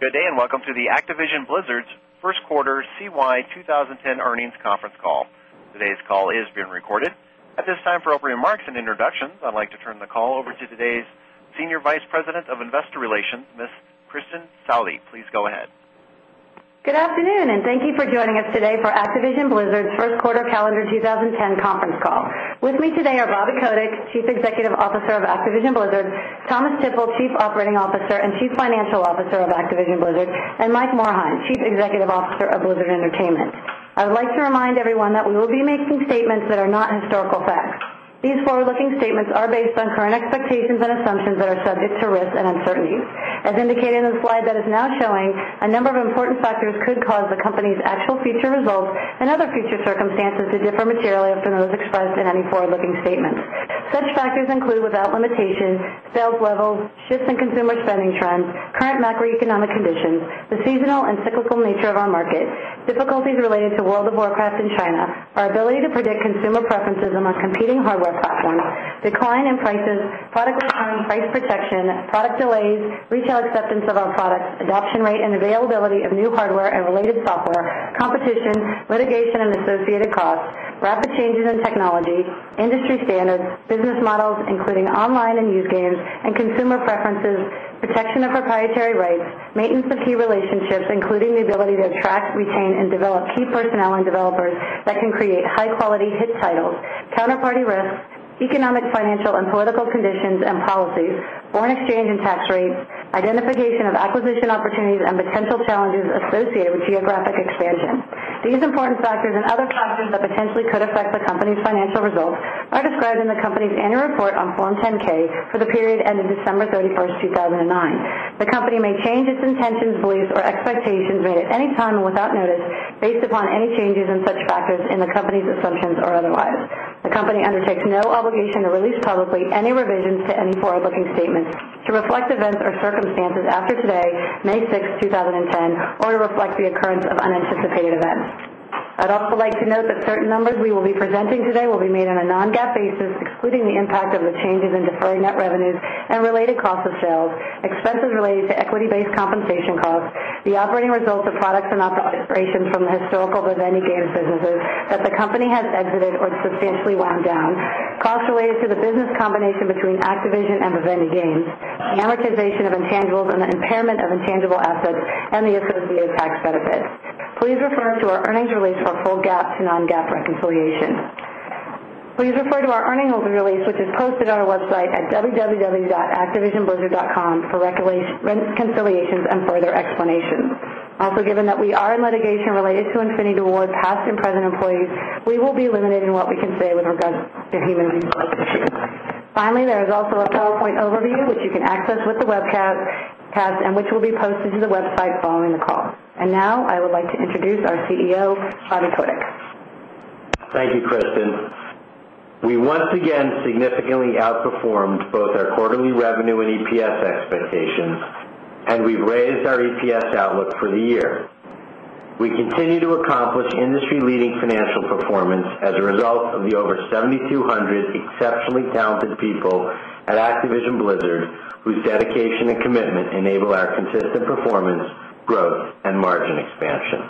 Good day, and welcome to the Activision Blizzard's First Quartercy 2010 Earnings Conference Call. Today's call is being recorded. At this time, for opening remarks and introductions, I'd like to turn the call over to today's Senior Vice President of Investor Relations, Ms. Kristin Sally. Please go ahead. Good afternoon and thank you for joining us today for Activision Blizzard's first quarter calendar 2010 conference call. With me today are Bobby Kodick, Chief Executive Officer of Activision Blizzard, Thomas Tipple, Chief Operating Officer and Chief Financial Officer of Activision Blizzard, and Mike Morehine, Chief Executive Officer of Blizzard Entertainment. I'd like to remind everyone that we will be making statements that are not historical facts. These forward looking statements are based on current expectations and assumptions that are subject to risks and uncertainties. Indicated in the slide that is now showing, a number of important factors could cause the company's actual future results and other future circumstance to differ materially from those expressed in any forward looking statements. Such factors include, without limitation, sales levels, shifts in consumer spending trends, current macroeconomic conditions, the seasonal and cyclical nature of our market, difficulties related to World of Warcraft in China, our ability to predict consumer preferences among competing hardware platforms, decline in prices price protection, product delays, retail acceptance of our product adoption rate and availability of new hardware and related software competition, litigation and associated costs, rapid changes in technology, industry standards, business models, including online and use games and consumer preferences protection of proprietary rights, maintenance of key relationships, including the ability to attract, retain and develop key personnel and developers that can create high quality hit titles, counterparty risks, economic financial and political conditions and policies, foreign exchange and tax rates, identification of acquisition opportunities and potential challenges of associated with geographic expansion. These important factors on Form 10 K for the period ended December 31, 2009. The company may change its intentions, beliefs or expectations made at any time and without notice based upon any changes in such factors in the company's assumptions or otherwise. The company undertakes no obligation or release publicly any revisions to any forward looking statements. To reflect events or circumstances after today, May 6, 2010, or to reflect the occurrence of unanticipated events. I'd also like to note that certain numbers we will be presenting today will be made on a non GAAP basis, excluding the impact of the changes in deferred net revenues and related cost of sales, expenses related to equity based compensation costs, the operating results of products and operations from the historical Vivendi Games businesses the company has exited or substantially wound down, costs related to the business combination between Activision and Vivendi gains, which amortization of intangibles and impairment of intangible assets and the associated tax benefits. Please refer to our earnings release for full GAAP to non GAAP reconciliation. Please refer to our earnings release, which is posted on our website at www.activisionblizzard.com for reconciliation reconciliations and further explanations. Also given that we are in litigation related to Infinity towards past and present employees, we will be limiting what we can say with regards to human rights issues. Finally, there is also a PowerPoint overview which you can access with the webcast and which will be posted to the website following the call. And now I would like to introduce our CEO, on codec. Thank you, Kristin. We once again significantly outperformed both our quarterly revenue and EPS expectations and we've raised our EPS outlook for the year. We continue to accomplish industry leading financial performance as a result of the over 7200 exceptionally talented people at Activision Blizzard whose dedication and commitment enable our consistent performance, growth and margin expansion.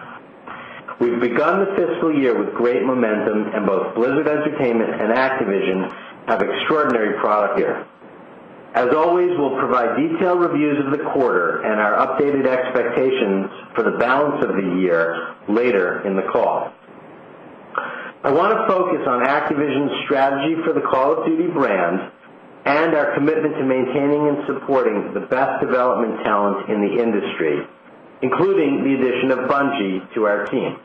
We've begun the fiscal year with great momentum and both Blizzard Entertainment And Activision have extraordinary product here. As always, we'll provide detailed reviews of the quarter and our updated expectations for the balance of the year later in the call. I want to supporting the best development talent in the industry, including the addition of Bungie to our team.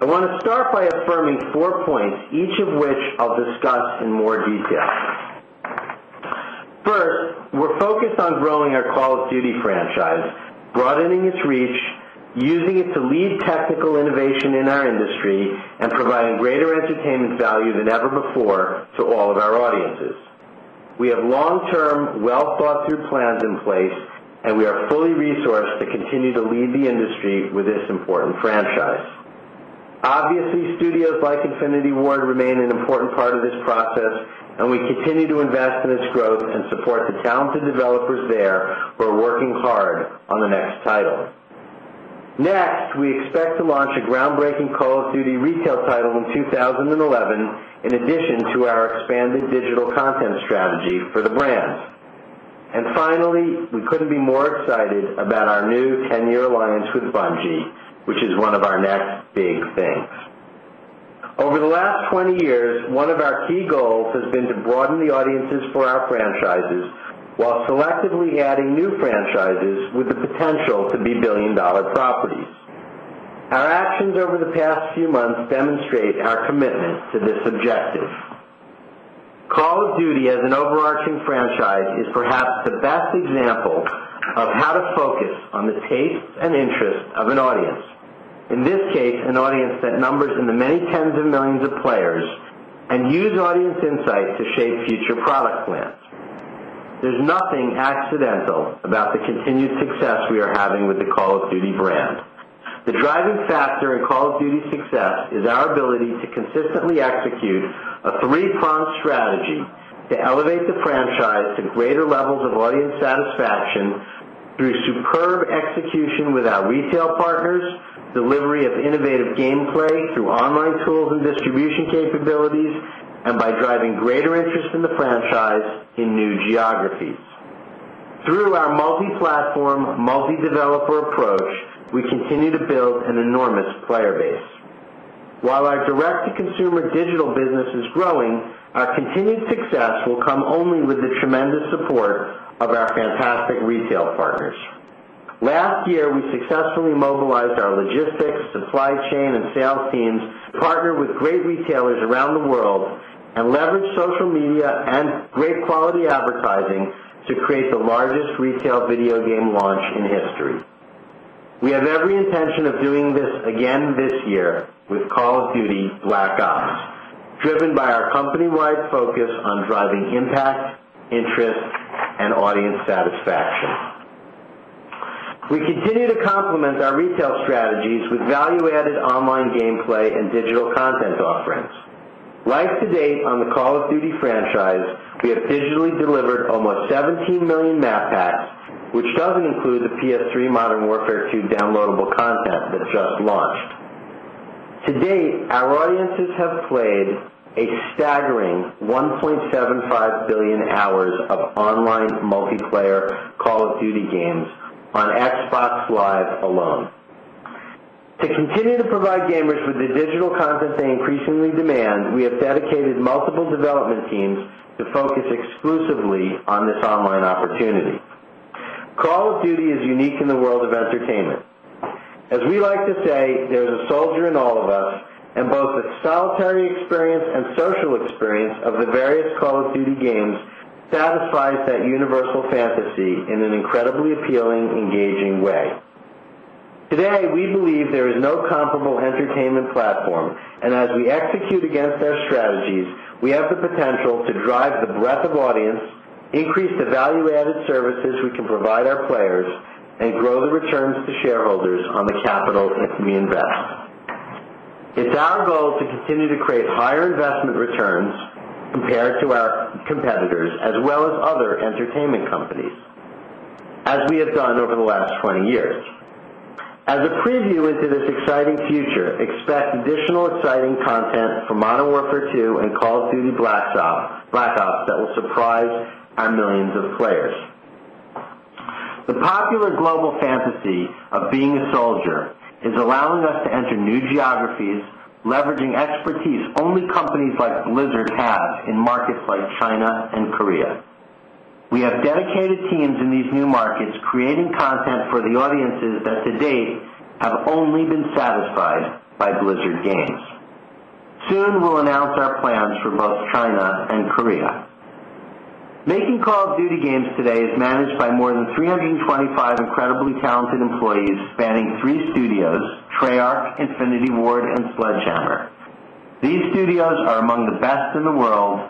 I want to start by affirming four points each of which I'll discuss in more detail. First, We're focused on growing our Call of Duty franchise, broadening its reach, using it to lead technical innovation in our industry and providing greater entertainment value than ever before to all of our audiences. We have long term well thought through plans in place and we are fully resourced to continue to lead the industry with this important franchise. Process and we continue to invest in its growth and support the talented developers there who are working hard on the next title. Next, we expect to launch a groundbreaking Call of Duty Retail titles in 2011 in addition to our branded digital content strategy for the brands. And finally, we couldn't be more excited about our new 10 year alliance with Bungie, which is one of our next big things. Over the last 20 years, one of our key goals has been to broaden the audiences for our franchises while selectively adding new franchises with the potential to be $1,000,000,000 properties. Our actions over the past few months demonstrate our commitment to this objective. Call of Duty as an overarching franchise is perhaps the best example of how to focus on the taste and interest of an audience. In this case, an audience that numbers in the many tens of millions of players and use audience insight to shape future product plans. There's nothing accidental about the continued success we are having with the Call of Duty brand. The driving factor in Call of Duty's success is our ability to consistently execute a 3 pronged strategy to elevate the franchise to greater levels of audience satisfaction through superb execution with our retail partners delivery of innovative gameplay through online tools and distribution capabilities and by driving greater interest in the franchise in new geographies. Through our multi platform multi developer approach, we continue to build an enormous player base. While our direct to consumer digital business is growing, our continued success will come only with a tremendous support of our fantastic retail partners. Last year, we successfully mobilized our logistics, supply chain and sales teams partner with great retailers around the world and leverage social media and great quality advertising to create the largest retail video game launch in history. We have every intention of doing this again this year with Call of Duty Black Goms. Driven by our company wide focus on driving impact, interest and audience satisfaction. We continue to complement our retail strategies with value added online gameplay and digital content offerings. Like to date on the Call of Duty franchise, we have officially delivered almost 17,000,000 map packs, which doesn't include the PS3 modern Fared 2 downloadable content that just launched. To date, our audiences have played a staggering 1.75000000000 hours of online multiplayer Call of Duty games on Xbox Live alone. To continue to provide gamers with the digital content they increasingly demand, we have dedicated multiple development teams to focus exclusively on this online opportunity. Call of Duty is unique in the world of entertainment. As we like to say, there's a soldier in all of us and both the solitary experience and social experience of the various Call of Duty games satisfies that universal fantasy in an incredibly appealing engaging way. Today, we believe there is no comparable entertainment platform as we execute against our strategies, we have the potential to drive the breadth of audience, increase the value added services we can provide our players and grow the returns to shareholders on the capital that we invest. It's our goal to continue to create higher investment returns compared to our competitors as well as other entertainment companies as we have done over the last 20 years. As a preview into this exciting future, expect additional exciting content for modern warfare 2 and Call of Duty BlackOps that will surprise are millions of players. The popular global fantasy of being a soldier is allowing us to enter new geographies leveraging expertise only companies like Blizzard has in markets like China and Korea. We have dedicated teams in these new markets creating content for the audiences that Toon will announce our plans for both China and Korea. Making calls due to games today is managed by more than 325 in comparatively talented employees spanning 3 studios, treyarch, Infinity Ward and Sledgehammer. These studios are among the best in the world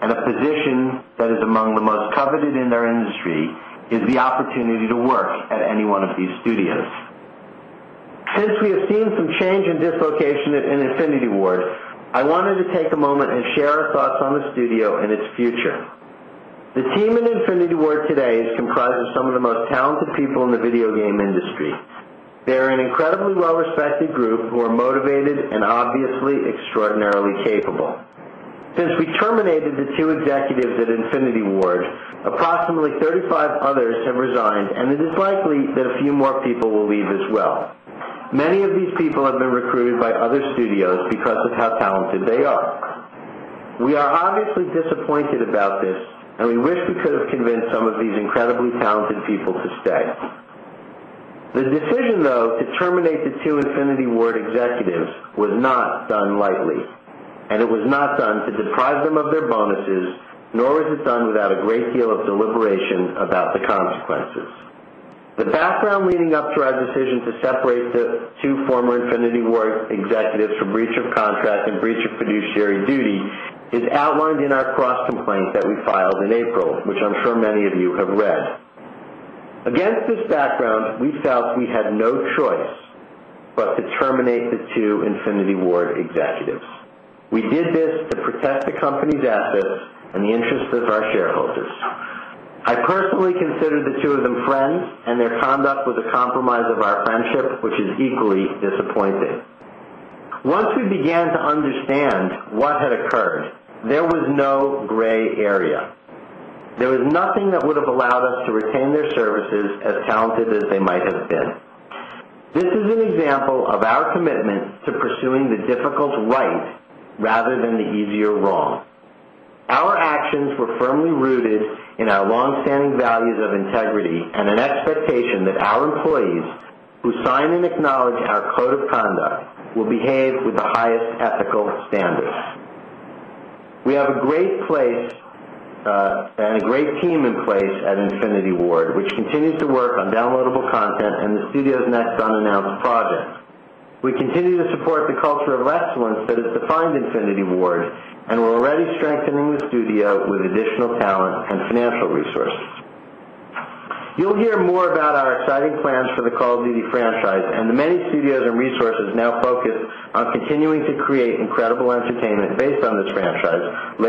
and a position that is among the most coveted in their industry is the opportunity to work at any one of these studios. Since we have seen some change in dislocation in Infinity Ward, I wanted to take a moment and share our thoughts on the studio in its future. The team in Infinity Ward today is comprised of some of the most talented people in the video game industry. They are an incredibly well respected group who are motivated and obviously extraordinarily capable. Since we terminated the 2 executives at Infinity Ward, Approximately 35 others have resigned and it is likely that a few more people will leave as well. Many of these people have been recruited by other studios because of how that they are. We are obviously disappointed about this, and we wish we could have convinced some of these incredibly talented people to stay. The decision though to terminate the 2 Infinity word executives was not done lightly, and it was not done to deprive them of their bonuses nor was it done without a great deal of deliberation about the consequences. The background leading up to our decision to separate 2 former Infinity work executives from breach of contract and breach of fiduciary duty is outlined in our cross complaint that we filed in April. I'm sure many of you have read. Against this background, we felt we had no choice, but to terminate the 2 Infinity Ward executives. We did this to protect the company's assets and the interest of our shareholders. I personally consider the 2 of them friends and their conduct was a compromise of our friendship, which is equally disappointing. Once we began to understand what had occurred, there was no gray area. There was nothing that would have allowed us to retain their services as talented as they might have been. This is an example of our commitment Our actions were firmly rooted in our longstanding values of integrity and an expectation that our employees who sign and acknowledge our code of conduct will behave with the highest ethical standards. We have a great place and a great team in place at Infinity Ward, which continues to work on downloadable content and the studio's next unannounced projects. We continue to support the culture of excellence that has defined Infinity Ward and we're already strengthening the studio with additional talent and financial resources. You'll hear more about our exciting plans for the Call of Duty franchise and the many studios and resources now focused on continuing to create incredible entertainment based on this franchise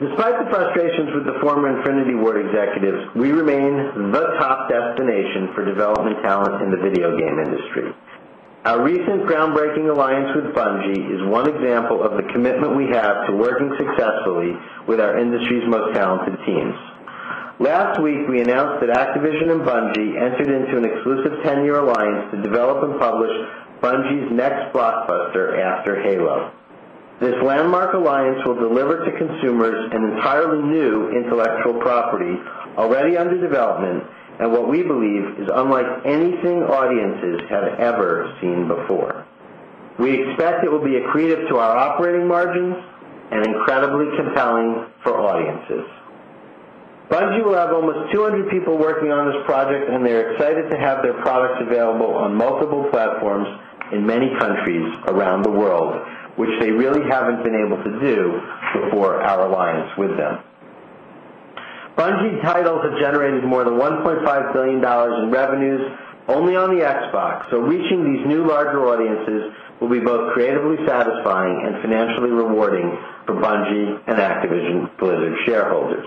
relations with the former Infinity Ward executives, we remain the top destination for development talent in the video game industry. Our recent groundbreaking alliance with Bungie is one example of the commitment we have to working successfully with our industry's most talented teams. Last week, we announced that Activision and Bungie entered into an exclusive tenure alliance to develop and publish Bungie's next blockbuster after Halo. This landmark alliance will deliver to consumers an entirely new intellectual property already under development and what we believe is unlike anything audiences have ever seen before. We expect it will be accretive to our operating margins, and incredibly compelling for audiences. Bungee level was two hundred people working on this project and they're excited to have products available on multiple platforms in many countries around the world which they really haven't been able to do before our alliance with them. Bungie titles have generated more than $1,500,000,000 in revenues only on the Xbox. So reaching these new larger audiences will be both creatively satisfying and financially rewarding for Bungie And Activision Blizzard's shareholders.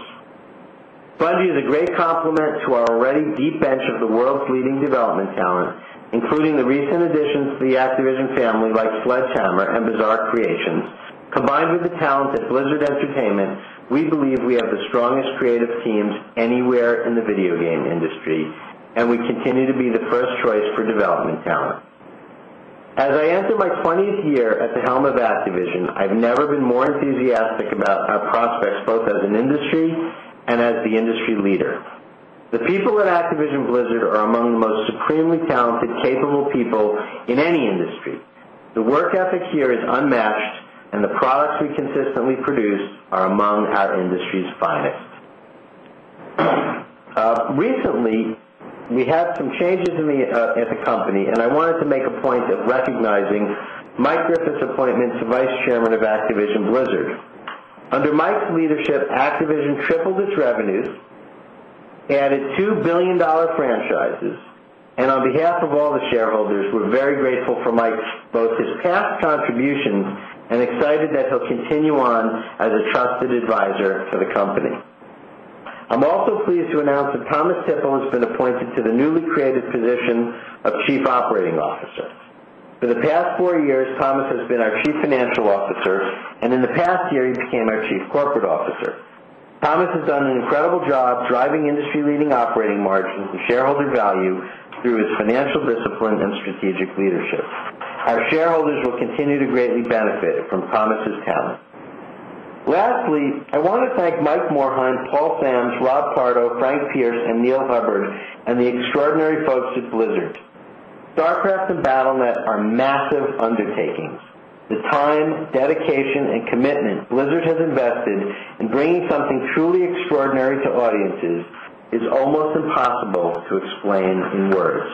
Budgy is a great complement to our already deep bench of the world's leading development talent, including the recent additions to the division family like Sledgehammer And Bazaar Creations, combined with the talent that Blizzard Entertainment, we believe we have the strongest creative teams anywhere in the video game industry, and we continue to be the 1st choice for development talent. As I entered my 20th year at the helm of Active I've never been more enthusiastic about our prospects, both as an industry and as the industry leader. The people at Activision Blizzard are among the most premily talented capable people in any industry. The work ethic here is unmatched and the products we consistently produce are among our industry's finest. Recently, we had some changes in the at the company, and I wanted to make point of recognizing Mike Griffith's appointment's Vice Chairman of Activision Blizzard. Under Mike's leadership, Activision tripled its revenues added $2,000,000,000 franchises and on behalf of all the shareholders, we're very grateful for Mike both his past contributions and excited that he'll continue on as a trusted advisor for the company. I'm also pleased to announce that Thomas Tipple has been appointed to the newly created position of Chief Operating Officer. For the past 4 years Thomas has been our Chief Financial Officer and in the past year he became our Chief Corporate Officer. Thomas has done an incredible job driving in leading operating margin to shareholder value through its financial discipline and strategic leadership. Our shareholders will continue to greatly benefit from Thomas's talent Lastly, I want to thank Mike Moore Hunt, Paul Sam's, Rob Pardo, Frank Pierce and Neil Hubbard, and the extraordinary folks at Blizzard. Starcraft and Battlenet are massive undertakings. The time, dedication, and commitment blizzard has invested and bringing something truly extraordinary to audiences is almost impossible to explain in words.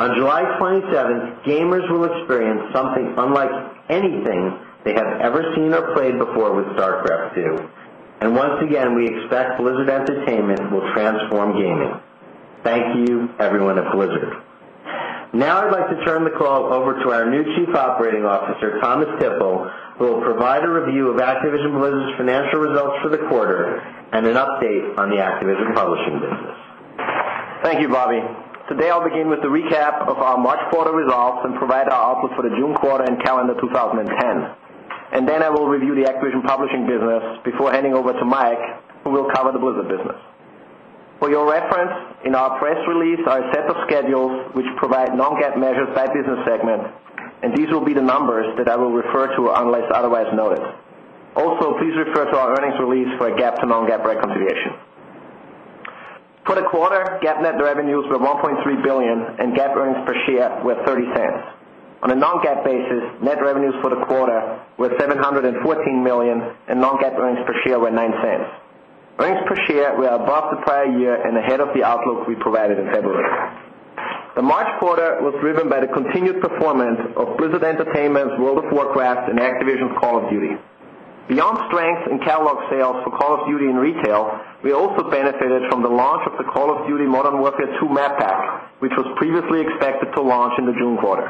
On July 27, gamers will experience something unlike anything they have ever seen or played before with StarCraft do. And once again, we expect Blizzard Entertainment will transform gaming. Thank you, everyone, at Blizzard. Now, I'd like to turn the call over to our new Chief Operating Officer, Thomas Tipple, who will provide a review of Activision Blizzard's financial results for the quarter, and an update on the activist publishing business. Thank you, Bobby. Today, I'll begin with a recap of our March quarter results and provide our outlook for the June quarter and calendar 2010. And then I will review the acquisition publishing business before handing over to Mike who will cover the business. For your reference, in our press release, our set of schedules, which provide non GAAP measures by business segment, and these will be the numbers that I will refer to unless otherwise noted. Also please refer to our earnings release for a GAAP to non GAAP reconciliation. For the quarter, GAAP net revenues were $1,300,000,000 and GAAP earnings per share were 0.30 dollars. On a non GAAP basis, net revenues for the quarter were $714,000,000 and non GAAP earnings per share were 0.09 dollars. Earnings per share were above the prior year and ahead of the outlook we provided in February. The March quarter was driven by the continued performance of Blizzard Entertainment's World of Warcraft And Activision Call of Duty. Beyond strength in catalog sales for Call of Duty And Retail, we also benefited from the launch of the Call of Duty Modern Workwear 2 Map Pack, which was previously expected to launch in the June quarter.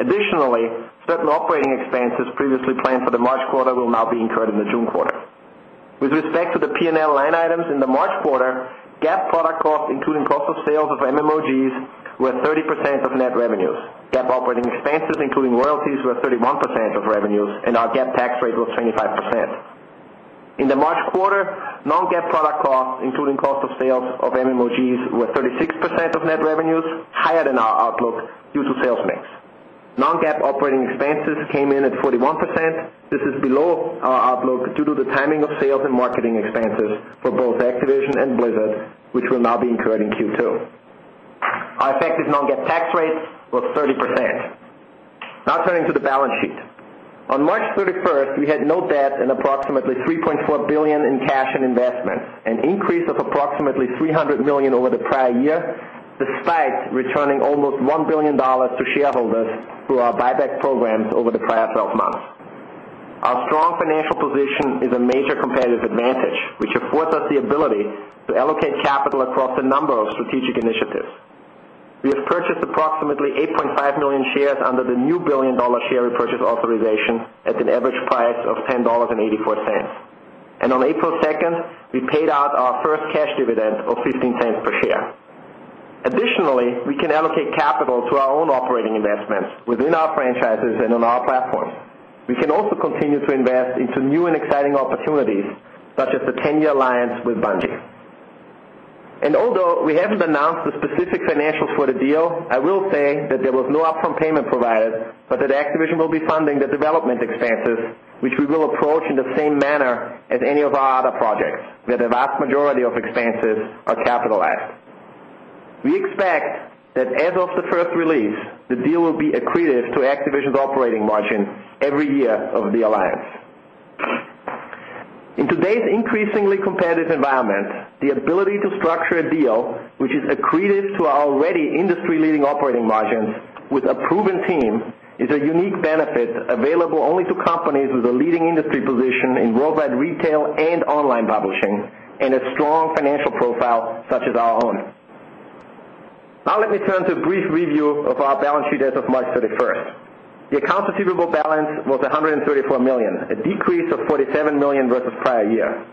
Additionally, certain operating expenses previously planned for the March quarter will now be incurred in the June quarter. With respect to the P and L line items in the March quarter, GAAP product costs including cost of sales of MMOGs were 30% of net revenues. GAAP operating expenses including royalties were 31 percent of revenues and our GAAP tax rate was 25%. In the March quarter, non GAAP product costs, including cost of sales of MMOGs were 36% of net revenues, higher than our outlook due to sales mix. Non GAAP operating expenses came in at 41%. This is below our outlook due to the timing of sales and marketing expenses for both Activision and Blizzard which will now be incurred in Q2. Our effective non GAAP tax rate was 30%. Now turning to the balance sheet. On March 31, we had no debt and approximately $3,400,000,000 in cash and investments, an increase of approximately $300,000,000 over the prior year, despite returning almost $1,000,000,000 to shareholders through our buyback programs over the prior 12 months. Our strong financial position is a major competitive advantage, which affords us the ability to allocate capital across a number of strategic initiatives. We have purchased approximately 8,500,000 shares under the new $1,000,000,000 share repurchase authorization at an average price of $10.84. And on April 2nd, we paid out our 1st cash dividend of $0.15 per share. Additionally, we can allocate capital to our own operating within our franchises and on our platforms. We can also continue to invest into new and exciting opportunities such as the 10 year alliance with bungee. And although we haven't announced the specific financials for the deal, I will say that there was no upfront payment providers, but that Activision will be funding the development expenses which we will approach in the same manner as any of our other projects where the vast majority of expenses are capitalized. We expect that as of the first release, the deal will be accretive to Activision's operating margin every year of the alliance. In today's increasingly competitive environment, the ability to structure a deal which is accretive to our already industry leading operating margins with a proven team is a unique benefit available only to companies with a leading industry position in worldwide retail and online publishing. And a strong financial profile such as our own. Now let me turn to a brief review of our balance sheet as of March 31st. The accounts receivable balance was $134,000,000, a decrease of $47,000,000 versus prior year.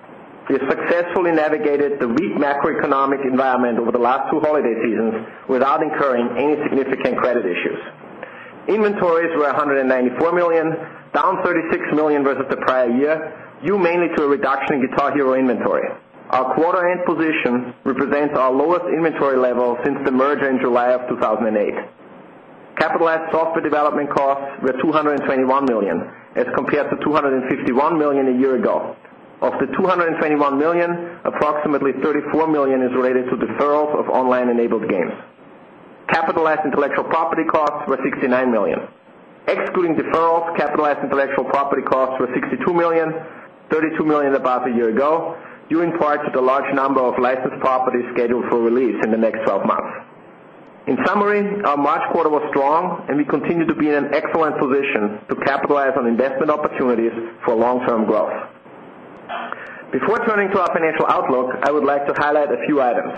We successfully navigated a weak macroeconomic environment over the last 2 holiday seasons without incurring any significant credit issues. Inventories were 194,000,000 down $36,000,000 versus the prior year due mainly to a reduction in guitar hero inventory. Our quarter end position represents our lowest inventory level since the range July of 2008. Capitalized software development costs were $221,000,000 as compared to $251,000,000 a year ago. Of the $221,000,000, approximately $34,000,000 is related to deferrals of online enabled games. Capitalized intellectual property costs were 69,000,000 Excluding deferrals, capitalized intellectual property costs were 62,000,000 dollars, $32,000,000 above a year ago, due in part to the large number of licensed properties scheduled for release, next 12 months. In summary, our March quarter was strong and we continue to be in an excellent position to capitalize on investment opportunities for long term growth. Before turning to our financial outlook, I would like to highlight a few items.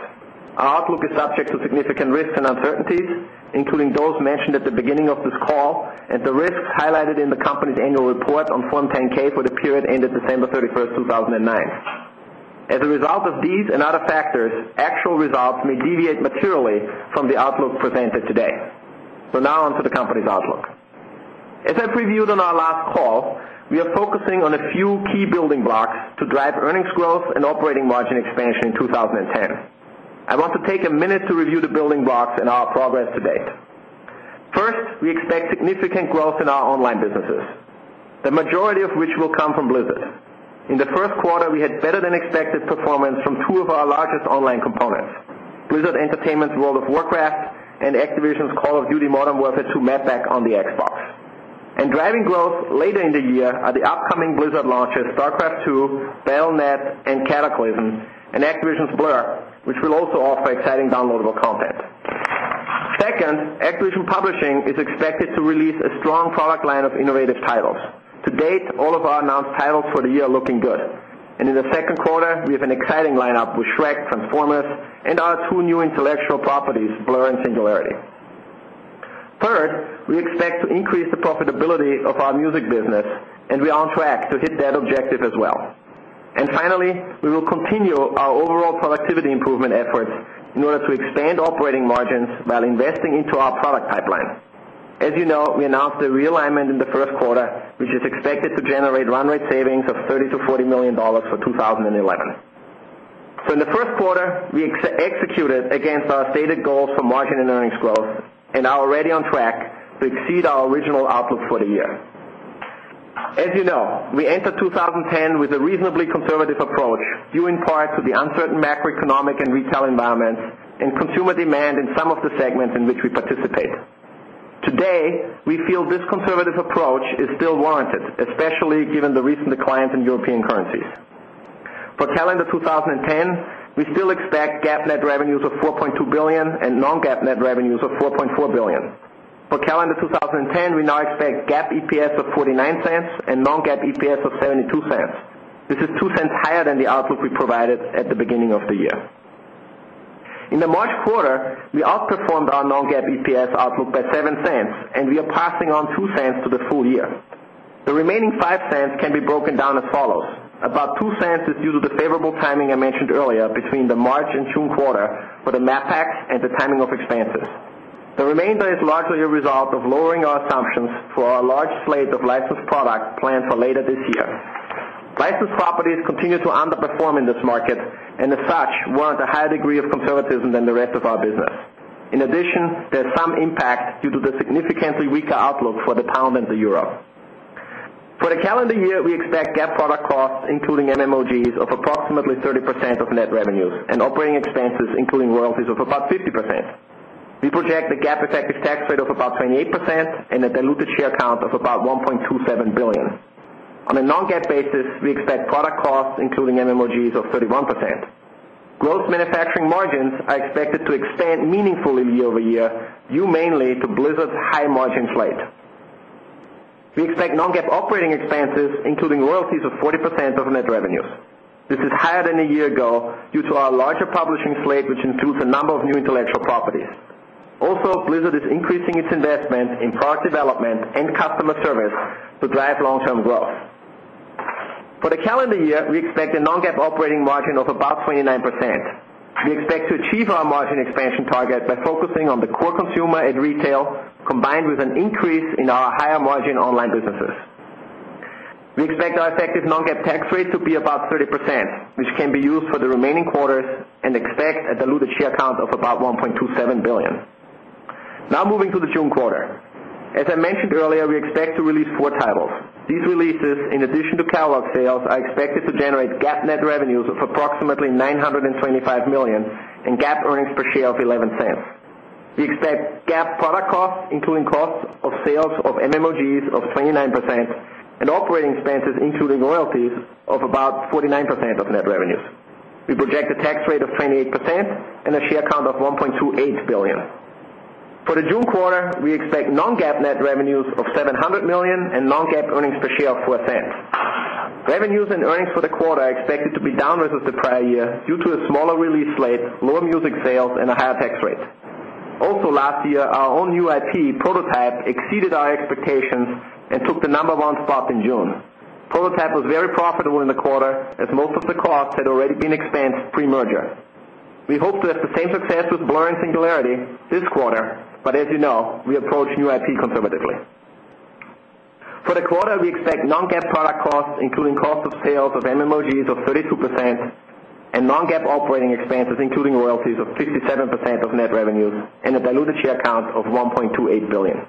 Our outlook is subject to significant risks and uncertainties, including those mentioned at the beginning of this call and the risks highlighted in the company's annual report on Form 10 K for the period ended December 31, 2009. As a result of these and other factors, actual results may deviate materially from the outlook presented today. So now on to the company's outlook. As I've reviewed on our last call, we are focusing on a few key building blocks to drive earnings growth and operating margin expansion in 2010. I want to take a minute to review the building blocks and our progress to date. First, we expect significant growth in our online businesses. The majority of which will come from Blizzard. In the first quarter, we had better than expected performance from 2 of our largest online components. Brazil Entertainment's World of Warcraft and Activision's Call of Duty modem warfare to map back on the Xbox. And driving growth later in the year are the up blizzard launches Starcraft 2, Bellnet, and Catacolism, and Activision's blur, which will also offer exciting downloadable content. 2nd, acquisition publishing is expected to release a strong product line of innovative titles. To date, all of our announced titles for the year looking good. And in the second quarter, we have an exciting lineup with Shrek, Conformis and our 2 new intellectual properties blur in singularity. 3rd, we expect to increase the profitability of our music business and we are on track to hit that objective as well. And finally, we will continue our overall productivity improvement efforts in order to expand operating margins while investing into our product pipeline. As you know, we announced the realignment in the first quarter, which is expected to generate run rate savings of $30,000,000 to $40,000,000 for 20.11. So in the first quarter, we executed against our stated goals for margin and earnings growth and are already on track to exceed our original outlook for the year. As you know, we entered 2010 with a reasonably conservative approach due in part to the uncertain macroeconomic and retail environment and consumer demand in some of the segments in which we participate. Today, we feel this conservative approach is still warranted especially given the recent declines in European currencies. For calendar 2010, we still expect GAAP net revenue $4,200,000,000 and non GAAP net revenues of $4,400,000,000. For calendar 2010, we now expect GAAP EPS of $0.49 and non GAAP EPS of $0.72. This is $0.02 higher than the outlook we provided at the beginning of the year. In the March quarter, we outperformed our non GAAP EPS outlook by $0.07 and we are passing timing I mentioned earlier between the March June quarter for the Map Pac and the timing of expenses. The remainder is largely a result of lowering our assumptions for our large slate of licensed product planned for later this year. License properties continue to underperform in this market and the fact was a high degree of conservatism than the rest of our business. In addition, there's some impact due to the significantly weaker outlook for the pound and the Europe. For the calendar year, we expect GAAP product costs including MMOGs of approximately 30% of net revenues and operating expenses, including royalties of about 50%. We project a GAAP effective tax rate of about 28 percent and a diluted share count of about 1,270,000,000. On a non GAAP basis, we expect product cost including MMOGS of 31%. Growth Manufacturing margins are expected to expand meaningfully year over year due mainly to blizzard's high margin slate. We expect non GAAP operating expenses, including royalties of 40% of net revenues. This is higher than a year ago due to our larger publishing slate, which includes a number of new intellectual properties. Also, Blizzard is increasing its investments in product development and customer service to drive long term growth. For the calendar year, we expect a non GAAP operating margin of about 29%. We expect to achieve our margin expansion target by focusing on the core consumer at retail combined with an increase in our higher margin online businesses. We expect our effective non GAAP tax rate to be about 30% which can be used for the remaining quarters and expect a diluted share count of about 1,270,000,000 Now moving to the June quarter. As I mentioned earlier, we expect to release 4 titles. These releases in addition to catalog sales are expected to generate GAAP net revenues approximately $925,000,000 and GAAP earnings per share of $0.11. We expect GAAP product costs, including costs of sales of MMOG's of 29 percent and operating expenses including royalties of about 49% of net revenue We project a tax rate of 28 percent and a share count of $1,280,000,000. For the June quarter, we expect non GAAP net revenue of $700,000,000 and non GAAP earnings per share of $0.04. Revenues and earnings for the quarter are expected to be down versus the prior year due to a smaller release slate, lower music sale in a higher tax rate. Also last year, our own new IP prototype exceeded our expectations and took the number one spot in June. Polar Tap was very profitable in the quarter as most of the costs had already been expensed pre merger. We hope to have the same success with blur in singularity this quarter But as you know, we approach new IP conservatively. For the quarter, we expect non GAAP product costs, including cost of sales of MMOGs of 32% and non GAAP operating expenses including royalties of 57 percent of net revenues and a diluted share count of 1,280,000,000.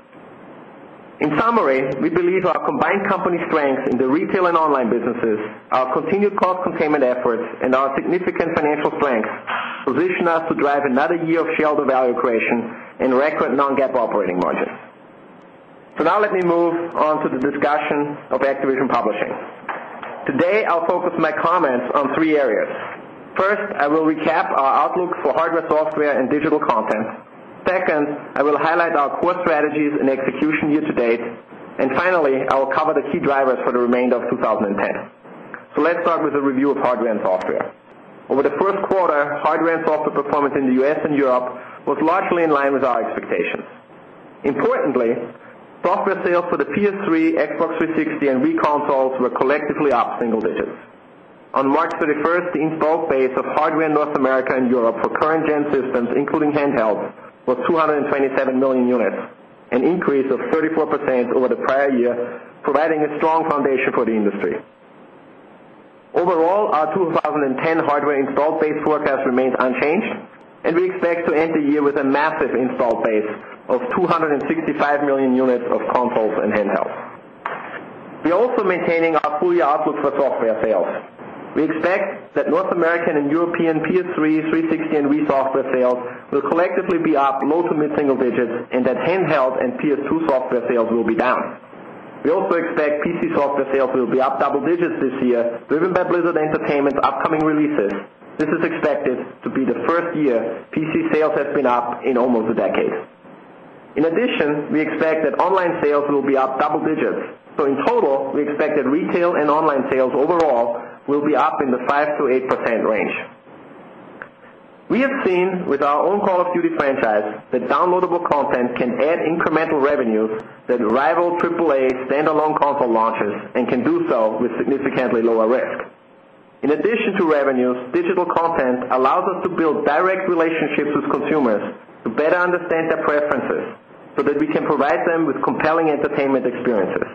In summary, we believe our combined company strengths in the retail and online businesses, our continued cost containment efforts and our significant financial strength, position us to drive another year of shareholder value creation and record non GAAP operating margins. So now let me move on to the discussion of Activision Publishing. Today, I'll focus my comments on 3 areas. 1st, I will recap our outlook for hardware software and digital content. 2nd, I will highlight our core strategies and execution year to date. And finally, I will cover the key drivers for the remainder of 20 10. So let's start with the review of hardware and software. Over the first quarter, hardware and software performance in the U. S. And Europe was largely in line with our expectations. Importantly, software sales for the PS3, Xbox 360, and Reconcals were collectively up single digits. On March 31, installed base of hardware in North America and Europe for current gen systems, including handhelds, was 227,000,000 units, an increase of 34% 2010 hardware installed base forecast remains unchanged and we expect to end the year with a massive installed base of 265,000,000 units of compost and hand We're also maintaining our full year outlook for software sales. We expect that North American and European P3, 360 and software sales will collectively be up low to mid single digits and that handheld and PS2 software sales will be down. We also expect PC software sales will be up double digits this year driven by Blizzard Entertainment's upcoming releases. This is expected to be the 1st year PC sales have been up in almost a decade. In addition, we expect that online sales will be up double digits. So in total, we expect that retail and online sales overall will be up in the 5% to 8% range. We have seen with our own Call of Duty franchise that downloadable content can add incremental revenues that rival AAA standalone console launches and can do so with significantly lower risk. In addition to revenues, digital content allows us to build direct relationships with consumers to better understand their preferences so that we can provide them with compelling entertainment experiences.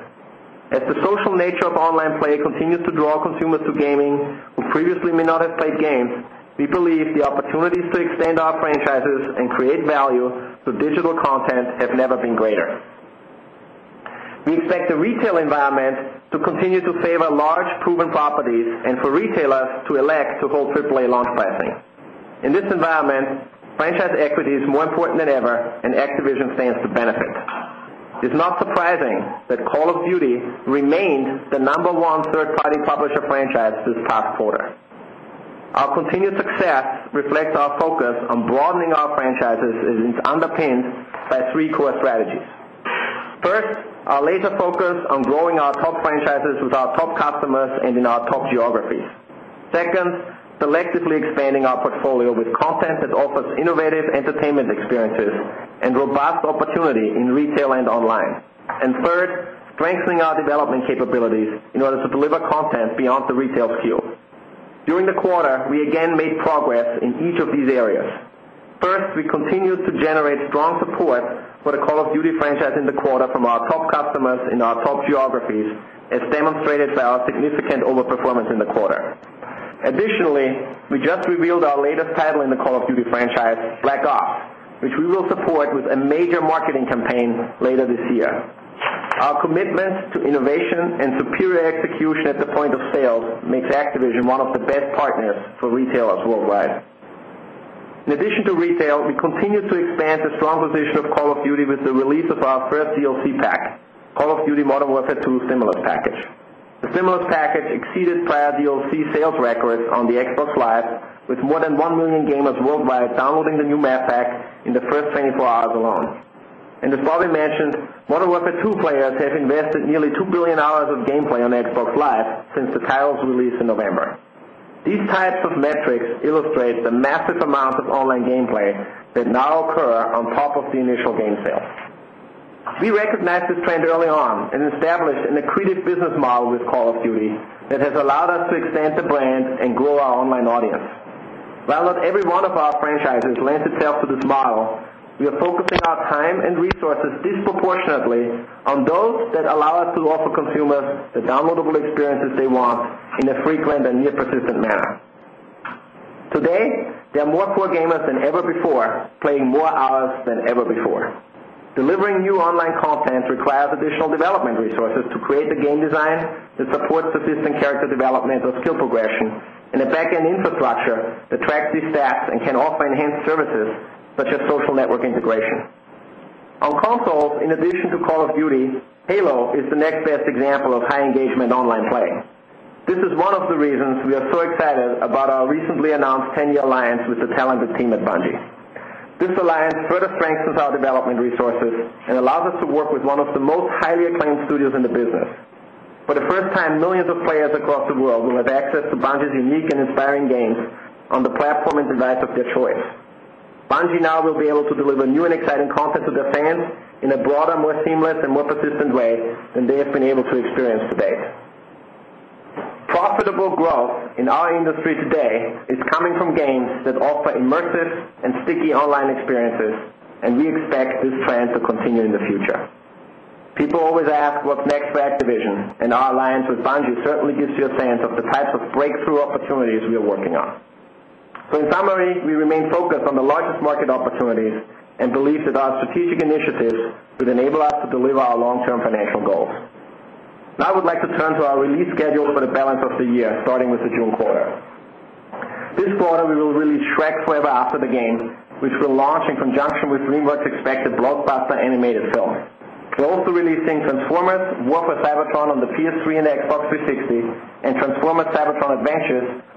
As the social nature of online play continues to draw consumer to gaming and previously may not have played games, we believe the opportunities to extend our franchises and create value through digital content have never been greater. We expect the retail environment to continue to favor large proven properties and for retailers to elect to hold AAA processing. In this environment, Franchise Equity is more important than ever, and Activision stands to benefit. It's not surprising that Call of Beauty remained the number 1 third party published franchise this past quarter. Our continued success reflects our focus on broadening our franchises as it's underpinned by 3 core strategies. First, our laser focus on growing our top franchises with our top customers and in our top geographies. 2nd, selectively expanding our portfolio with content that offers innovative entertainment experiences and robust opportunity in retail and online. And third, strengthening our development capabilities in order to deliver content beyond the retail SKU. During the quarter, we again made progress in each of these areas. First, we continued to generate strong support for the call of duty franchise in the quarter from our top customers in our top geographies and demonstrated by our significant over performance in the quarter. Additionally, we just revealed our latest title in the Call of Duty franchise, Black Off which we will support with a major marketing campaign later this year. Our commitment to innovation and superior execution at the point of sales makes Activision one of the best partners for retailers worldwide. In addition to retail, we continue to expand the strong position of core duty with the release of our first ELC pack, Call of Duty model asset to a similar package. The similar package exceeded prior ELC sales records on the expo slide with more than 1,000,000 gamers worldwide downloading the new MAPFAC in the first twenty 4 hours alone. And as Bobby mentioned, 1 of the 2 players have invested nearly 2,000,000,000 of Gameplay on Xbox Live since the titles released in November. These types of metrics illustrate the massive amount of online gameplay that now occur on top of the initial game sales. We recognized this trend early on and established an accretive business model with Call of Duty that has allowed us to extend the brand and grow our online audience. Well, not every one of our franchises lends itself to this model, We are focusing our time and resources disproportionately on those that allow us to offer consumers the downloadable experiences they want a frequent and near persistent manner. Today, there are more four gamers than ever before playing more hours than ever before. Delivering new online content through cloud additional development resources to create the game design that supports the system character development or skill progression and the back end infrastructure attracts these tasks and can offer enhanced services such as social network integration. On consoles, in addition to Call of Beauty, Halo is the next best example of high engagement online play. This is one of the reasons we are so excited about our recently announced 10 year alliance with the talented team at Bungie. This alliance further strengthens our development resources and allows us to work with 1 of the most highly acclaimed studios in the business. The first time, millions of players across the world will have access to badges unique and inspiring games on the platform and device of their choice. Banji now will be able to deliver new and exciting content to the fans in a broader, more seamless and more persistent way than they have been able to experience today. Profitable growth in our industry today is coming from games that offer immersive and sticky online experiences and we expect this trend to continue in the future. People always ask what's next for Activision and our alliance with Bungie certainly gives you a sense of the types of breakthrough of opportunities we are working on. So in summary, we remain focused on the largest market opportunities and belief that our strategic initiatives to enable us to deliver our long term financial goals. Now I would like to turn to our release schedule for the balance of the year starting with the June quarter. This quarter, we will really track forever after the game, which we're launching conjunction with dreamworks expected blockbuster animated film. We're also releasing transformers, war for Sabotron on the PS3 and Xbox 360 and Transformatronics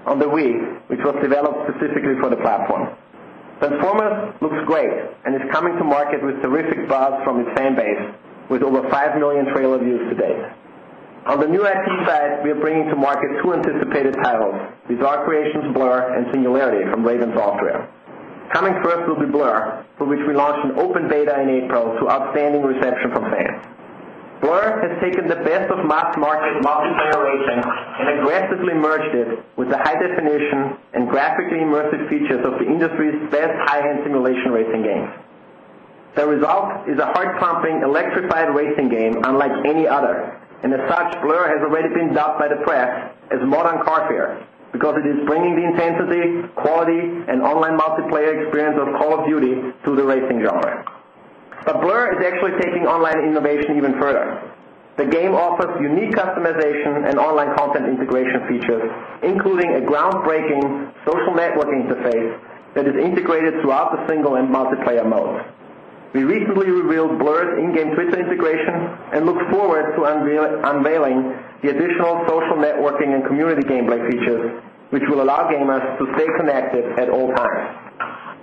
on the week. Was developed specifically for the platform. Transformers looks great and is coming to market with terrific vibes from its fan base with over 5,000,000 trailer views to date. On the new IT side, we are bringing to market 2 anticipated titles, these are creation to blur and Singularity from Raven's software. Coming first will be blur for which we launched an open beta in April to outstanding reception from fans. Blur has taken the best of mass market model generation and aggressively merged it with the high definition and graphically immersive features of the industry's best high end simulation rates and gains. The result is a heart pumping electrified racing game unlike any other and as such blur has already been dealt by the press as modern car fare. Because it is bringing the intensity, quality and online multiplayer experience of Call of Duty to the racing genre. But blur is actually taking online innovation even further. The game offers unique customization and online content integration features, including a groundbreaking social network interface, that is integrated throughout the single and multiplayer modes. We recently revealed blurred in game Twitter integration and look forward to unveiling the additional social networking and community gameplay features, which will allow gamers to stay connected at all times.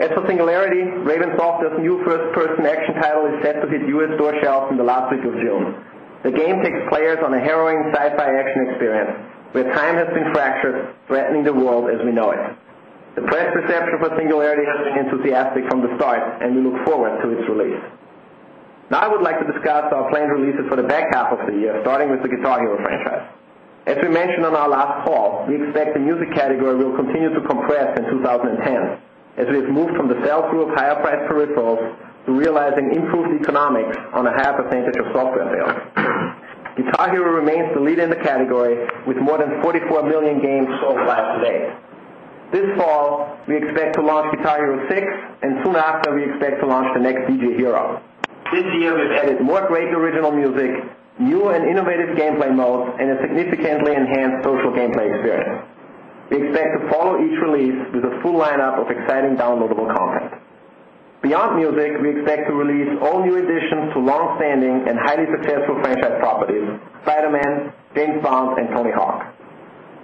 At so singularity, RavenSoft's new first person action title is set with his U. S. Store shelves in the last week of June. The game takes players on a harrowing side by action experience. With time that's been fractured, threatening the world as we know it. The best perception for similarity and enthusiastic from the start, and we look forward to its release. Now I would like to discuss our planned releases for the back half of the year, starting with the Guitario franchise. As we mentioned on our last call, we expect the music category will continue to compress in 2010 as we have moved from the sell through of higher price peripherals to realizing improved economics a half percentage of software sales. Hitachi remains the lead in the category with more than 44,000,000 games sold last day. This fall, we expect to launch the TiO Six and soon after we expect to launch the Next DJ Hero. This year, we've added more great original music newer and innovative gameplay modes and a significantly enhanced social gameplay experience. We expect to follow each release with a full lineup of exciting downloadable content. Beyond music, we expect to release all new additions to longstanding and highly successful franchise properties, Spider Man, Ding Farms and Tony Hawk.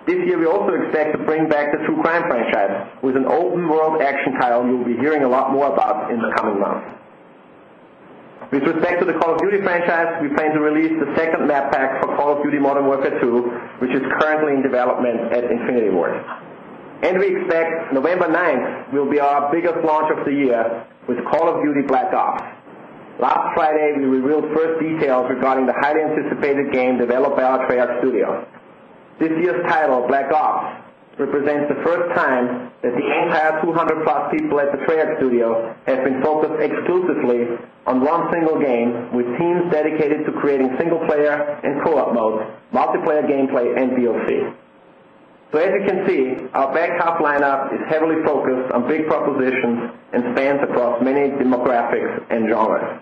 This year, we also expect to bring back the 2 crime franchise with an open world action title you'll be hearing a lot more about in the coming months. With respect to the Call of Duty franchise, we plan to release the second map back for Call of Duty modern warfare 2, which is currently in development at Infinity War. And we expect November 9th will be our biggest launch of the year with Call of Beauty Black Off. Last Friday, we revealed first details regarding the high anticipated game developed by our Triad Studio. This year's title, Black Ops, represents the first time that the entire 200 plus people at the Triad Studio have been focused exclusively on one single game with teams dedicated to creating single player and cool out modes, multiplayer gameplay and POC. So as you can see, our back half lineup is heavily focused on big propositions and spans across many demographics and genres.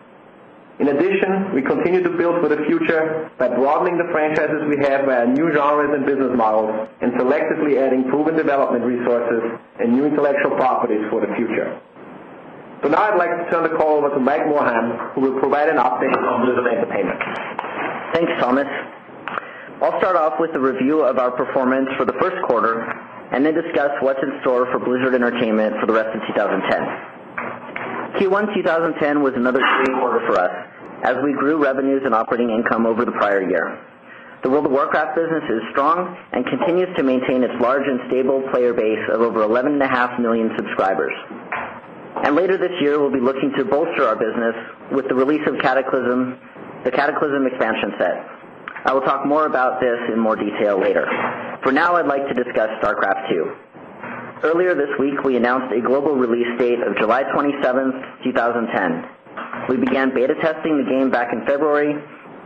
In addition, we continue to build for the future by broadening the franchises we have new genres and business models and selectively adding proven development resources and new intellectual properties for the future. So now I'd like to turn the call over to Meg Moreham, who will provide an update on reserve bank payments. Thanks Thomas. I'll start off with a review of our performance for the first quarter and then discuss what's in store for Blizzard Entertainment for the rest of 2010. Q1 2010 was another big order for us as we grew revenues and operating income over the prior year. The World of Warcraft business is strong and continues to maintain its large and stable player base of over 11,500,000 subscribers. And later this year, we'll be looking to bolster our business with the release of cataclysm, the cataclysm expansion set. I will talk more about this in more detail later. For now, I'd like to discuss StarCraft 2. Earlier this week, we announced a global release date of July 27, 2010. We began beta testing the game back in February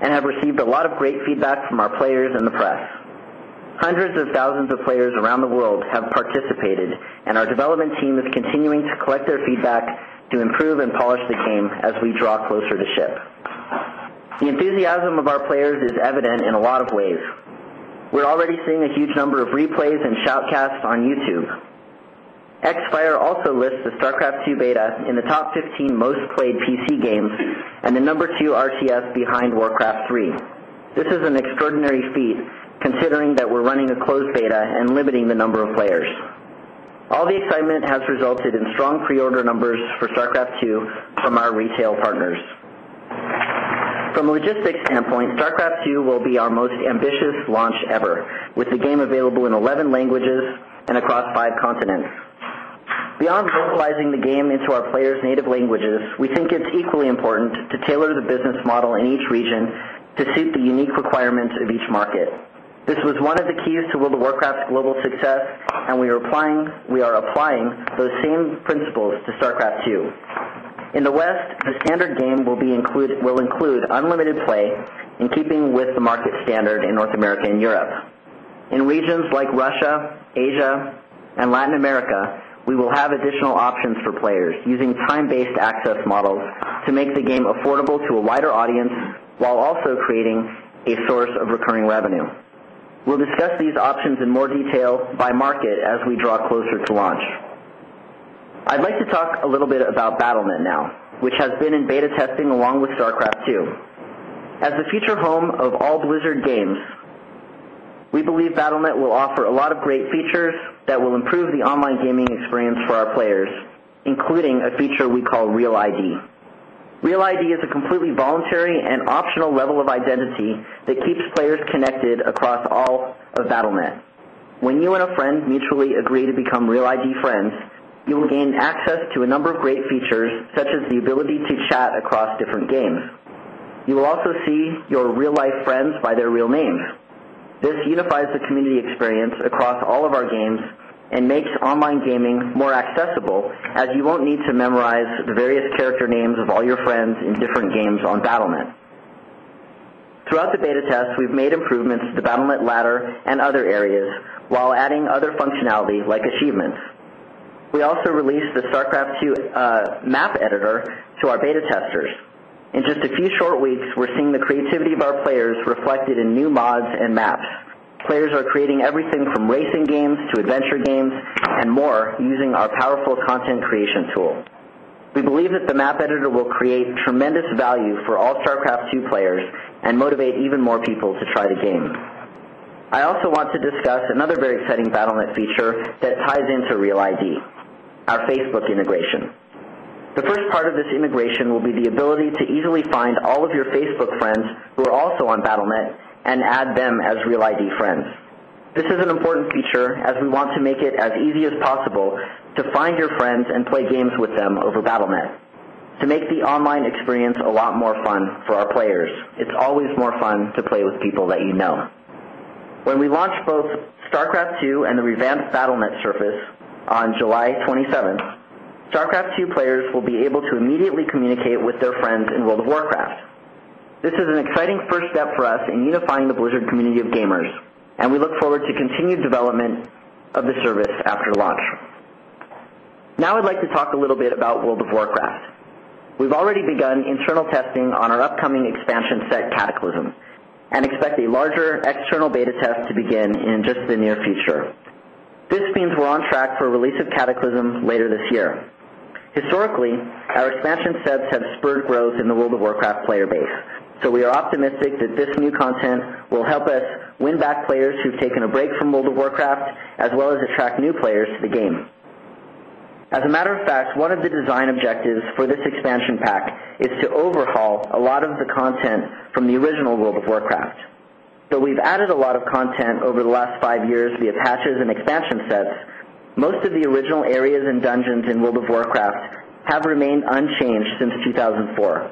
and have received a lot of great feedback from our players in the press. 100 of thousands of players around the world have participated and our development team is continuing to collect their feedback to improve and polish the game as we draw closer to ship. The enthusiasm of our players is evident in a lot of ways. We're already seeing a huge number of replays and shoutcasts on YouTube. XFire also lists the StarCraft 2 beta in the top 15 most played PC games and the number 2 RTS behind Warcraft 3. This is an extraordinary feat considering that we're running a closed beta and limiting the number of players. All the excitement has resulted in strong pre order numbers for StarCraft 2 from our retail partners. From logistics endpoint, StarCraft 2 will be our most ambitious launch ever. With the game available in 11 languages and across 5 continents. Beyond verbalizing the game into our players' native languages, we think it's equally important to tailor the business model in each region to suit the unique requirements of each market. This was one of the keys to World of Warcraft's global success and we are applying we are applying those same principles to StarCraft 2. In the West, the standard game will be include will include unlimited play in keeping with the market standard in North America and Europe. In regions like Russia, Asia, and Latin America, we will have additional options for players using time based access models to make the game affordable to a wider audience while also creating a source of recurring revenue. We'll discuss these options in more detail by market as we draw closer to launch. I'd like to talk a little bit about Battleman now, which has been in beta testing along with StarCraft too. As the future home of all Blizzard games, We believe Battlenet will offer a lot of great features that will improve the online gaming experience for our players including a feature we call real ID. Real ID is a completely voluntary and optional level of identity that keeps players connected across all of Battle Net. When you and a friend mutually agree to become real ID friends, you will gain access to a number of great features such as the ability to chat across different games. You will also see your real life friends by their real names. This unifies the community experience across all of our games and makes online gaming more accessible as you won't need to memorize the various character names of all your friends in different games on Battlemen. Throughout the beta test, we've made improvements to the Battlement ladder and other areas while adding other functionality like achievements We also released the SART Graph II map editor to our beta testers. In just a few short weeks, we're seeing the creativity of our players reflected in new mods and maps. Players are creating everything from racing games to adventure games and more using our powerful content creation tool. We believe that the map editor will create tremendous value for all StarCraft 2 players and motivate even more people to try to gain. I also want to discuss another very exciting Battle Net feature that ties into Real ID, our Facebook integration. The first part of this integration will be the ability to easily find all of your Facebook friends who are also on Battlenet and add them as real ID friends. This is an important feature as we want to make it as easy as possible to find your friends and play games with them over Battle Net. To make the online experience a lot more fun for our players. It's always more fun to play with people that you know. When we launch both Starcraft 2 and the revamped Battle Net Surface on July 27th, Starcraft 2 players will be able to immediately communicate with their friends in World of Warcraft. Is an exciting first step for us in unifying the Blizzard community of gamers and we look forward to continued development of the service after launch. Now I'd like to talk a little bit about World of Warcraft. We've already begun internal testing on our upcoming expansion set cataclysm, and expect a larger external beta test to begin in just the near future. This means we're on track for a release of cataclysm later this year. Historically, our expansion sets have spurred growth in the World of Warcraft player base. So we are optimistic that this new content will help us win back players who've taken a break from World of Warcraft as well as attract new players to the game. As a matter of fact, what are the design objectives for this expansion pack is to overhaul a lot of the content from the original world of Warcraft. So we've added a lot of content over the last 5 years via patches and expansion sets Most of the original areas in dungeons and World of Warcraft have remained unchanged since 2004.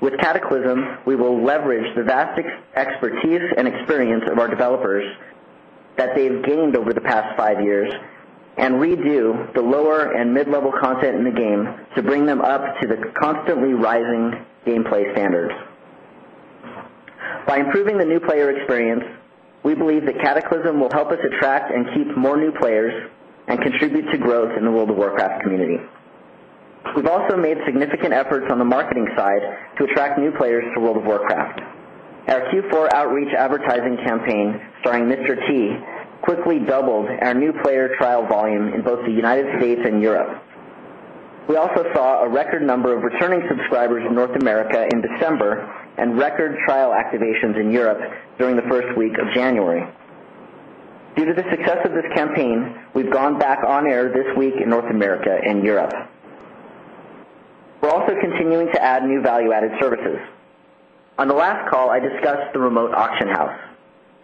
With cataclysm, we will leverage the vast expertise and experience of our developers that they've gained over the past 5 years and redo the lower and mid level content in the game to bring them up to We believe that Cataclysm will help us attract and keep more new players and contribute to growth in the world of Warcraft community. We've also made significant efforts on the marketing side to attract new players to World of Warcraft. Our Q4 Outreach advertising campaign during Mr. T quickly doubled our new record number of returning subscribers in North America in December and record trial activations in Europe during the 1st week of January. Due to the success of this campaign, we've gone back on air this week in North America and Europe. We're also continuing to add new value added services. On the last call, I discussed the remote auction house.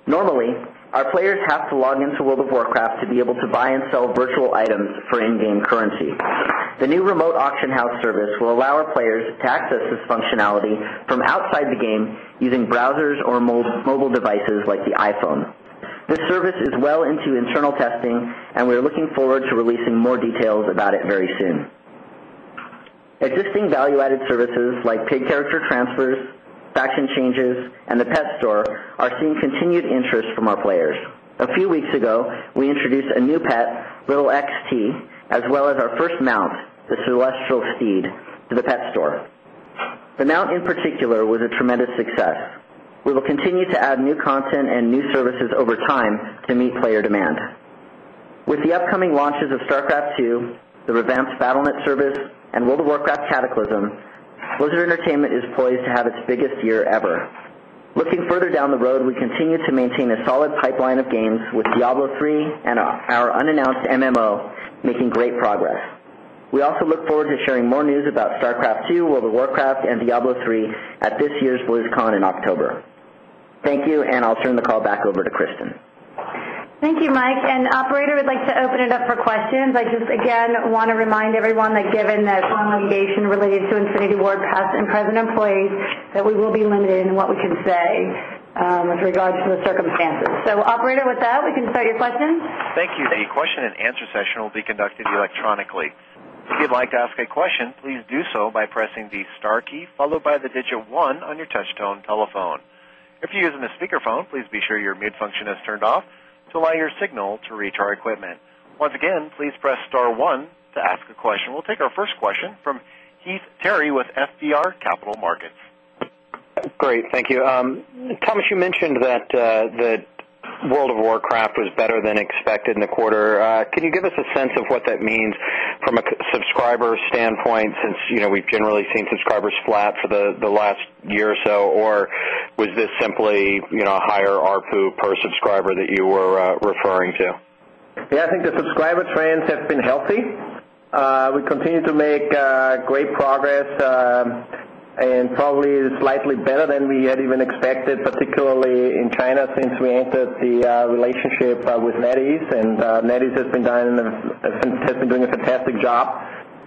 Normally, Our players have to log in to World of Warcraft to be able to buy and sell virtual items for in game currency. The new remote auction house service will allow our players to access functionality from outside the game using browsers or mobile devices like the iPhone. This service is well into internal testing and we're looking forward to releasing more details about it very soon. Existing value added services like pig character transfers, faction changes and the pet store are seeing continued interest from our players. A few weeks ago, we introduced a new pet, little XT as well as our first mouth the celestial feed to the pet store. But now in particular was a tremendous success. We will continue to add new content and new services over time to meet player demand. With the upcoming launches of StarCraft 2, the Revance Battle Net Service and World of Warcraft Cataclysm Loser Entertainment is poised to have its biggest year ever. Looking further down the road, we continue to maintain a solid pipeline of games with Diablo free and our unannounced MMO making great progress. We also look forward to sharing more news about StarCraft 2, where the Warcraft and Diablo 3 at this year's Blue's Con in October. Thank you. And I'll turn the call back over to Kristin. Thank you, Mike. And operator, we'd like to open it up for questions. I just again want to remind everyone that given that when we related to Infinity Board Pass and present employees that we will be limited in what we can say with regards to the circumstances. So operator with that, we can start your questions. Thank you. We'll take our first question from Heath Terry with FBR Capital Markets. Great. Thank you. Thomas, you mentioned that World of Warcraft was better than expected in the quarter. Can you give us a sense of what that means? From a subscriber standpoint since we've generally seen subscribers flat for the last year or so, or was this simply a higher ARPU per subscriber that you were referring to? Yes, I think the subscriber trends have been healthy. We continue to make great progress and probably slightly better than we had even expected particularly in China since we entered the relationship with NetEase. And NetEase has been done and has been doing a fantastic job,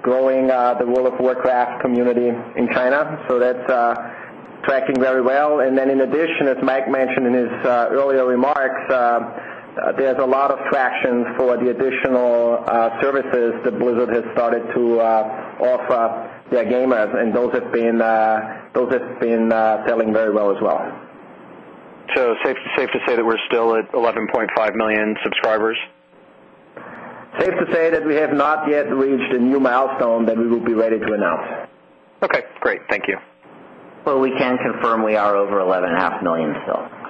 growing the World of Warcraft Community in China. So that's, tracking very well. And then in addition, as Mike mentioned in his earlier remarks, there's a lot of traction for the additional services that Blizzard has started to offer their gamers. And those have been, those have been selling very well as well. So safe to say that we're still at 11,500,000 subscribers? Safe to say that we have not yet reached a new mouse on, then we will be ready to announce. Okay, great. Thank you. Well, we can confirm we are over $11,500,000 still.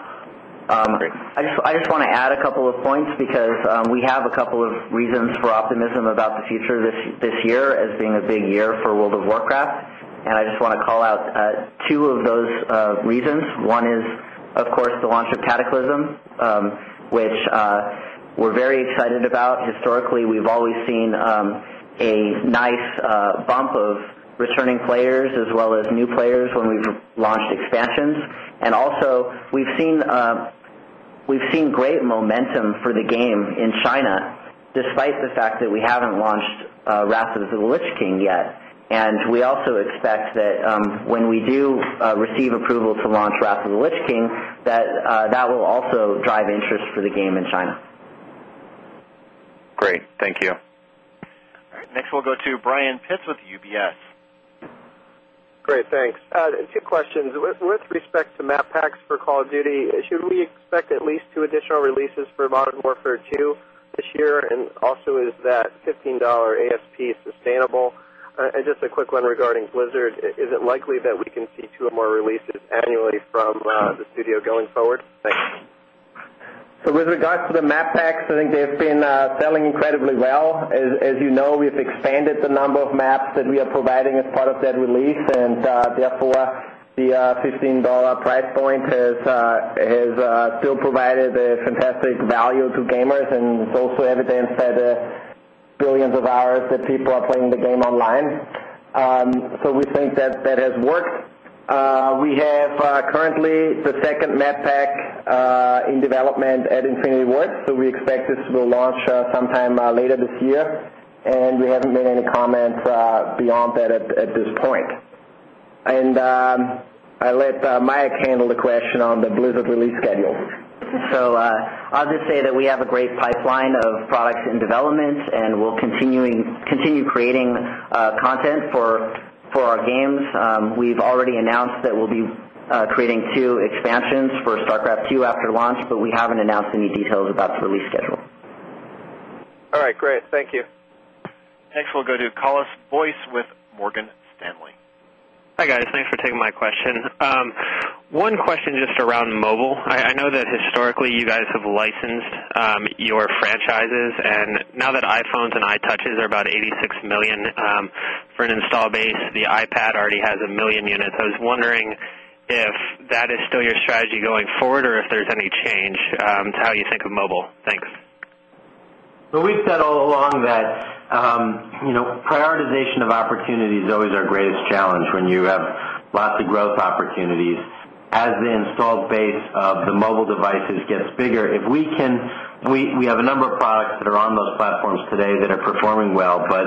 I just want to add a couple of points because we have a couple of reasons for optimism about the future this this year as being a big year for World of Warcraft. And I just want to call out 2 of those reasons. 1 is, of course, the launch of Cataclysm, which we're very excited about. Historically, we've always seen a nice bump of returning players as well as new players when we've launched expansions. And also we've seen, we've seen great momentum for the game in China despite the fact that we haven't launched, Ratlovich King yet. And we also expect that, when we do receive approval to launch Raplovich King, that, that will also drive interest for the game in China. Great. Thank you. All right. Next we'll go to Brian Pitts with UBS. Great. Thanks. Two questions. With respect to MAP Paks for Call of Duty, should we expect at least 2 additional releases for modern warfare too? This year? And also is that $15 ASP sustainable? And just a quick one regarding Blizzard, is it likely that we can to a more releases annually from the studio going forward? Thanks. So with regards to the MAP packs, I think they've been selling incredibly well. As you know, we've expanded the number of maps that we are providing as part of that release and, therefore, the $15 price point has, has, still provided the fantastic value to gamers and also everything said, 1,000,000,000 of hours that people are playing the game online. So we think that that has worked. We have currently the 2nd Met PAC, in development at Infinity Works. So we expect this will launch sometime later this year. And we haven't made any comment beyond that at this point. And, I'll let Maya handle the question on the Blizzard release schedule. So, I'll just say that we have a great pipeline of products and developments and we'll continuing continue creating content for for our games. We've already announced that we'll be creating 2 expansions for StarCraft 2 after launch, but we haven't announced any details about the release schedule. All right, great. Thank you. Thanks. We'll go to Colas Boisce with Morgan Stanley. Hi guys. Thanks for taking my question. One question just around mobile. I know that historically you guys have licensed your franchises and now that iPhones and I touches are about 86,000,000 for an installed base, the iPad already has a million units. I was wondering if that is still your strategy going forward or if there's any change to how you think of mobile? Thanks. Well, we've said all along that, prioritization of opportunities always our greatest challenge when you have lots of growth opportunities as the installed base of the mobile devices gets bigger. If we can, we have a number of products that are on those platforms today that performing well, but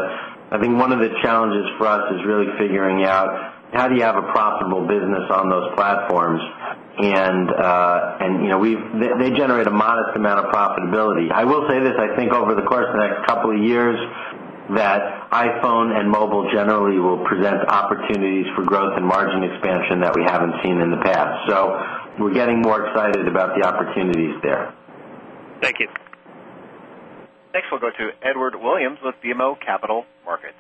I think one of the challenges for us is really figuring out how do you have a profitable business on those platforms and, and, you know, we've, they generate a modest amount of profitability. I will say this, I think, over the course of the next couple of years, that iPhone and mobile generally will present opportunities for growth and margin expansion that we haven't seen in the past. So we're getting more excited about the opportunities there. Thank you. Thanks. We'll go to Edward Williams with BMO Capital Markets.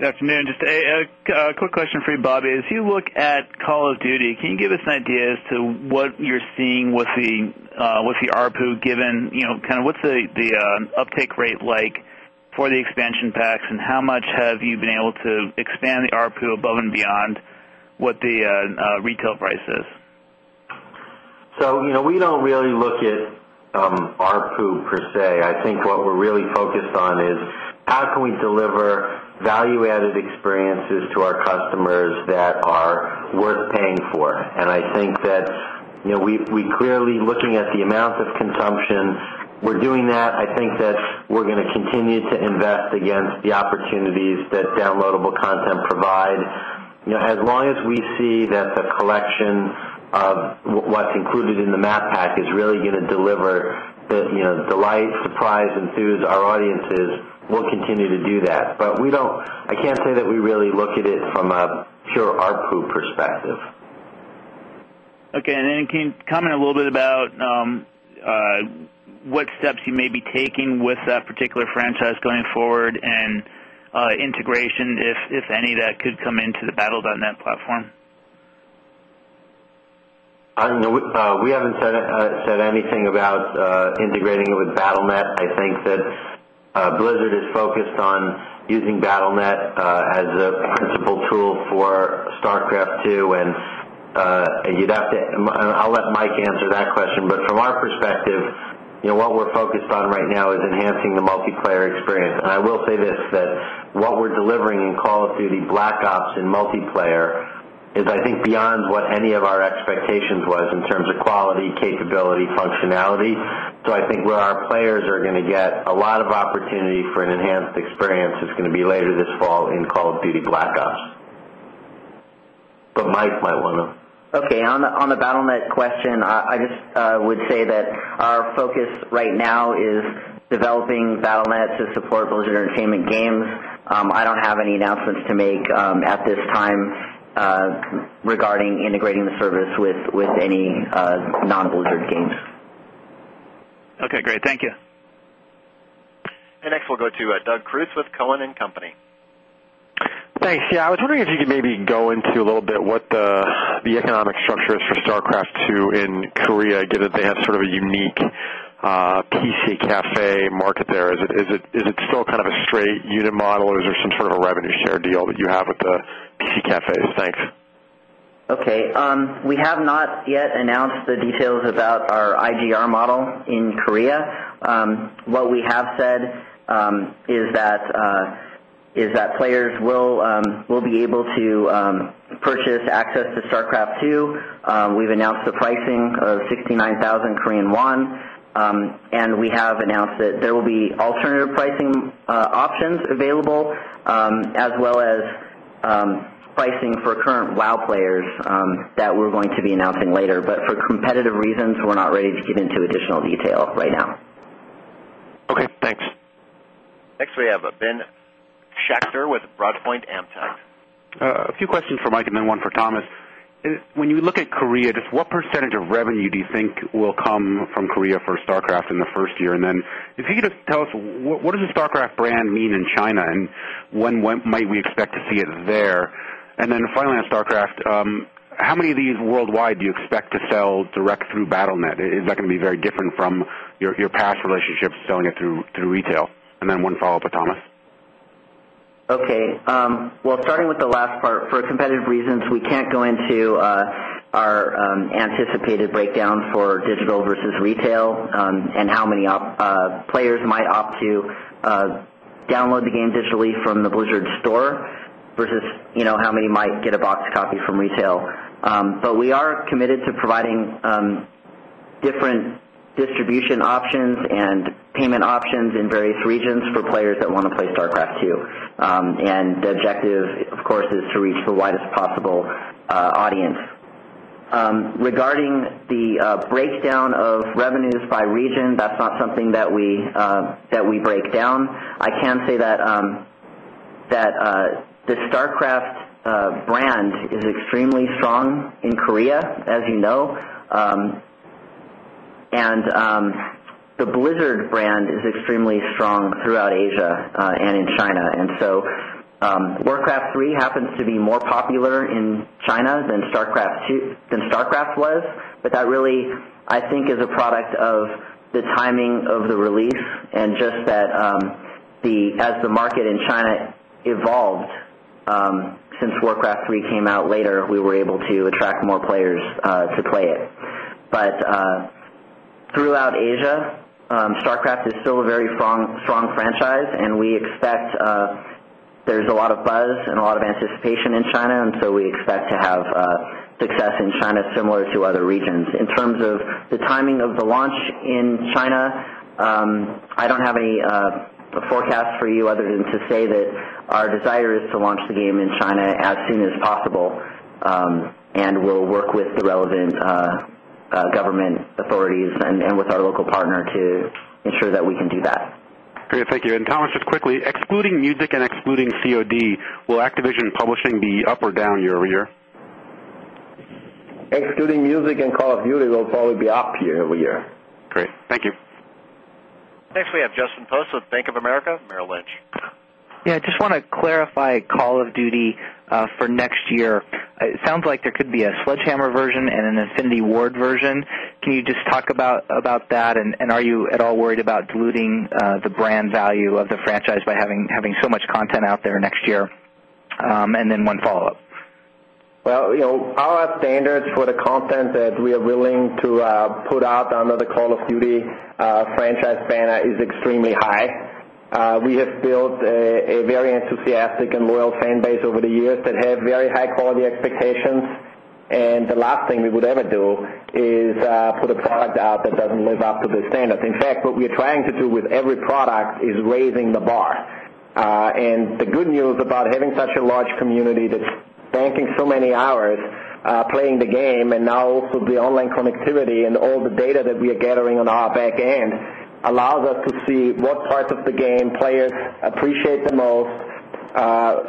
Good afternoon. Just a quick question for you, Bobby. As you look at Call of Duty, can you give us an idea as to what your seeing what's the ARPU given kind of what's the uptake rate like for the expansion and how much have you been able to expand the ARPU above and beyond what the retail price is? So, we don't really look at, ARPU per se. I think what we're really focused on is how can we deliver value added experiences to our customers that are worth paying for. And I think that, you know, we clearly looking at the amount of consumption we're doing that. I think that we're going to continue to invest against the opportunities that downloadable content provide you know, as long as we see that the collection of what's included in the math pack is really going to deliver the, you know, delight surprise enthused our audiences, we'll continue to do that. But we don't, I can't say that we really look at it from a your ARPU perspective. Okay. And then can you comment a little bit about, what steps you may be taking with that particular franchise going forward and integration, if any, that could come into the Battle dot NET platform? We haven't said anything about integrating it with Battle Net. I think that Blizzard is focused on using Battlenet as a principle tool for StarCraft 2 and and you'd have to and I'll let Mike answer that question. But from our perspective, you know, what we're focused on right now is enhancing the multiplayer experience. And I will say this that what we're delivering in Call of Duty black ops in multiplayer is I think beyond what any of our expectations was in terms of quality, capability, functionality, I think where our players are going to get a lot of opportunity for an enhanced experience is going to be later this fall in Call of Duty Black Ops. But Mike might want to. Okay. On the on the Battlenut question, I just would say that our focus right now is developing Battle Net to support both entertainment games. I don't have any announcements to make, at this time, regarding integrating the service with any, non leisure games. Okay, great. Thank you. And next we'll go to Doug Cruz with Cowen and Company. Thanks. Yeah, I was wondering if you could maybe go into a little bit what the economic structure is for StarCraft II in Korea given they have sort of a unique PC Cafe market there. Is it kind of a straight unit model or is there some sort of a revenue share deal that you have with the PC Cafes? Thanks. Okay. We have not yet announced the details about our IGR model in Korea. What we have said is that is that players will, will be able to, purchase access to StarCraft 2. We've announced the pricing of 69,000 Korean 1, and we have announced that there will be alternative pricing options available as well as pricing for current Wow players, that we're going to be announcing later, but for competitive reasons, we're not ready to give into additional detail right now. Next, we have Ben Schachter with Broadpoint Amtech. A few questions for Mike and then one for Thomas. When you look at Korea, just what percentage of revenue do you think will come from Korea for StarCraft in the 1st year? And then if you could tell us what does the Star Craft brand mean in China and when might we expect to see it there? And then finally on Starcraft, how many of these worldwide do you expect to sell direct through BattleNet? Is that going to be very different from your past relationships selling it through retail? And then one follow-up, Thomas? Okay. Well, starting with the last part, for competitive reasons, we can't go into our anticipated breakdown for digital as retail and how many players might opt to download the game digitally from the Blizzard store versus, you know, how many might get a box copy from retail. But we are committed to providing different distribution options and payment options in various regions for players that want to play StarCraft 2. And the objective of course is to reach the widest possible audience. Regarding the breakdown of revenues by region, that's not something that we, that we break down I can say that, that the StarCraft brand is extremely strong in Korea, as you know, And the Blizzard brand is extremely strong throughout Asia and in China. And so Warcraft III happens to be more popular in China than StarCraft II than StarCraft was, but that really I think is a product of the timing of the relief and just that the as the market in China evolved, Since Warcraft 3 came out later, we were able to attract more players to play it. But throughout Asia, Starcraft is still a very strong franchise and we expect, there's a lot of buzz and a lot of anticipation in China and so we expect to have success in China similar to other regions. In terms of the timing of the launch in China, I don't have any a forecast for you other than to say that our desire is to launch the game in China as soon as possible, and we'll work with the relevant government authorities and with our local partner to ensure that we can do that. Great. Thank you. And Thomas, just quickly, excluding music and excluding COD, will Activision Publishing be up or down year over year? Excluding music and call of beauty will probably be up year over year. Thanks. We have Justin Post with Bank of America Merrill Lynch. Yeah, I just want to clarify call of duty for next year. It sounds like there could be a sledgehammer version and an affinity word version. Can you just talk about that? And are you at all worried about diluting the brand value of the franchise having so much content out there next year. And then one follow-up. Well, our standards for the content that we are willing to put out under the Call of Duty franchise banner is extremely high. We have built a very enthusiastic a loyal fan base over the years that have very high quality expectations. And the last thing we would ever do is put product out that doesn't live up to the standards. In fact, what we are trying to do with every product is raising the bar. And the good news about having such a large community that banking so many hours, playing the game and now also the online connectivity and all the data that we are gathering on our back end allows us to see what parts of the game players appreciate the most.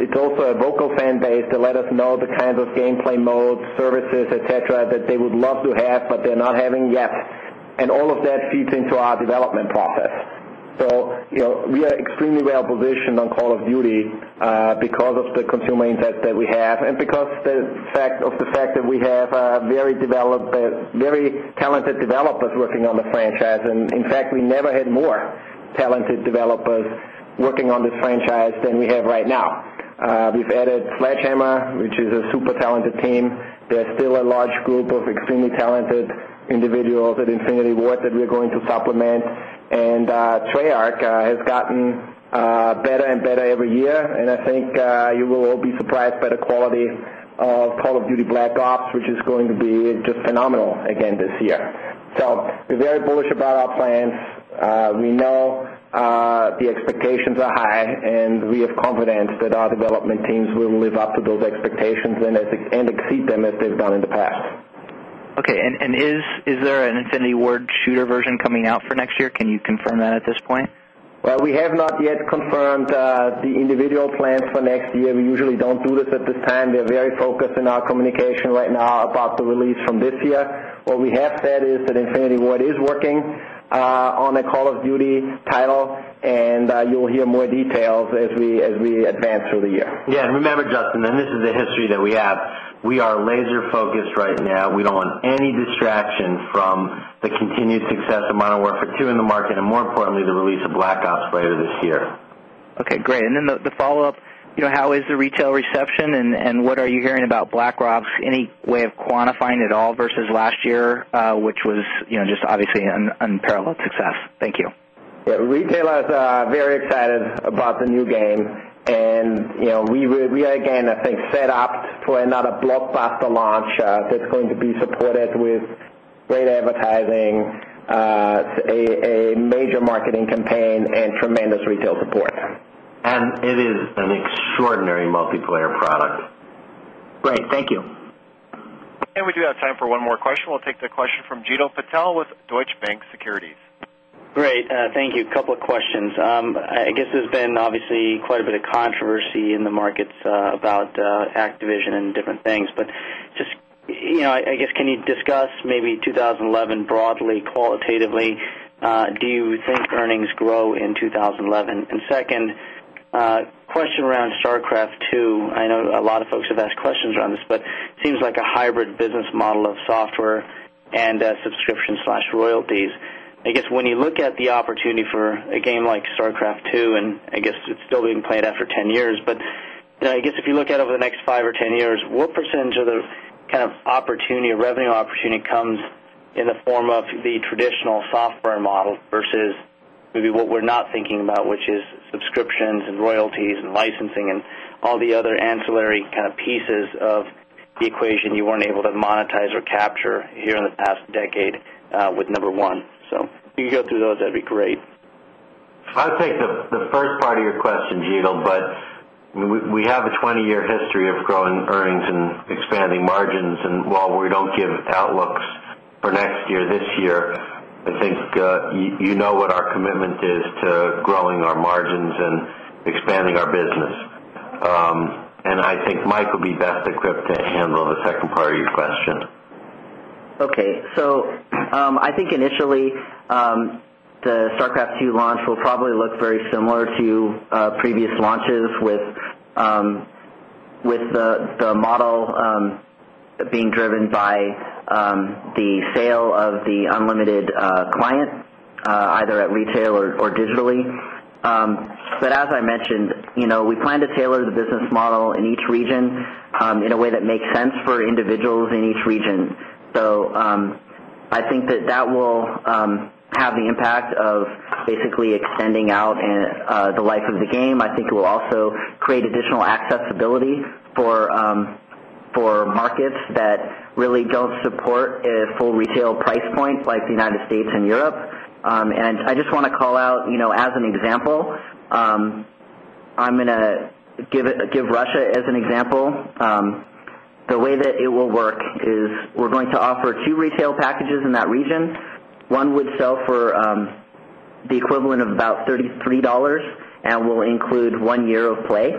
It's also a vocal fan base to let us know the kinds of gameplay modes services, etcetera, that they would love to have, but they're not having yet. And all of that feeds into our development process. So we are extremely well positioned on Call of Duty, because of the consumer insights that we have. And because there's effect of the fact that we have, very developed, very talented developers working on the franchise. And in fact, we never had more talented developers working on this franchise than we have right now. We've added Slash Emma, which is a super talented team, There's still a large group of extremely talented individuals at Infinity War that we're going to supplement. And, treyarch has gotten better and better every year. And I think you will all be surprised by the quality of Call of Duty Black ops, which is going to be just phenomenal again this year. So we're very bullish about our plans. We know, the expectations are high and we have confidence our development teams, we will live up to those expectations and exceed them as they've done in the past. Okay. And is there an Infinity word shooter version coming out for next year. Can you confirm that at this point? Well, we have not yet confirmed the individual plan for next year. We usually don't do this at this time. They're very focused in our communication right now about the release from this year. What we have said is that infinity ward is working, on the Call of Duty title, and you'll hear more details as we advance through the year. Yes. And remember, Justin, and this is the history that we have. We are laser focused right now. We don't want any distraction from the continued success of mono work for 2 in the market and more importantly, the release of black ops later this year. Okay, great. And then the follow-up, how is the retail reception and what are you hearing about Blackrops? Any way of quantifying at all versus last year, which was just obviously unparalleled success? Thank you. Yes. Retail is very excited about the new game and we, again, I think, set up for another blockbuster launch that's going to be supported with great advertising, a a major marketing campaign and tremendous retail support. And it is an extraordinary multiplayer product. Great. Thank you. We do have time for one more question. We'll take the question from Gino Patel with Deutsche Bank Securities. Great. Thank you. A couple of questions. I guess there's been obviously quite a bit controversy in the markets about Activision and different things. But just I guess can you discuss maybe 2011 broadly qualitatively do you think earnings grow in 2011? And second, a question around StarCraft 2, I know a lot of folks have questions around this, but it seems like a hybrid business model of software and a subscriptionroyalties. I guess when you look at the opportunity for a game like StarCraft too. And I guess it's still being planned after 10 years. But then I guess if you look out over the next 5 or 10 years, what percentage of the kind of opportunity or revenue opportunity comes in the form of the traditional software model versus maybe what we're not thinking about, which is subscriptions and royalties and licensing and all the other ancillary kind of pieces of the equation you weren't able to monetize or capture here in the past decade with number 1. So if you can go through those, that'd be great. I'll take the first part of your question, Jugal, but we have a 20 year history of growing earnings and expanding margins and while we don't give outlooks for next year this year, I think you know our commitment is to growing our margins and expanding our business. And I think Mike will be best equipped to handle the second part of your question. Okay. So, I think initially, the StarCraft 2 launch will probably look very similar to previous launches with with the model being driven by the sale of the unlimited client either at retail or digitally. But as I mentioned, you know, we plan to tailor the business model in each region in a way that makes sense for individuals in each region. So I think that that will have the impact of basically extending out the life of the game. I think it will also create additional accessibility for for markets that really don't support a full retail price point like the United States and Europe. And I just want to call out, you know, as an example, I'm going to give it give Russia as an example. The way that it will work is going to offer 2 retail packages in that region. 1 would sell for, the equivalent of about $33 and will include 1 year of play.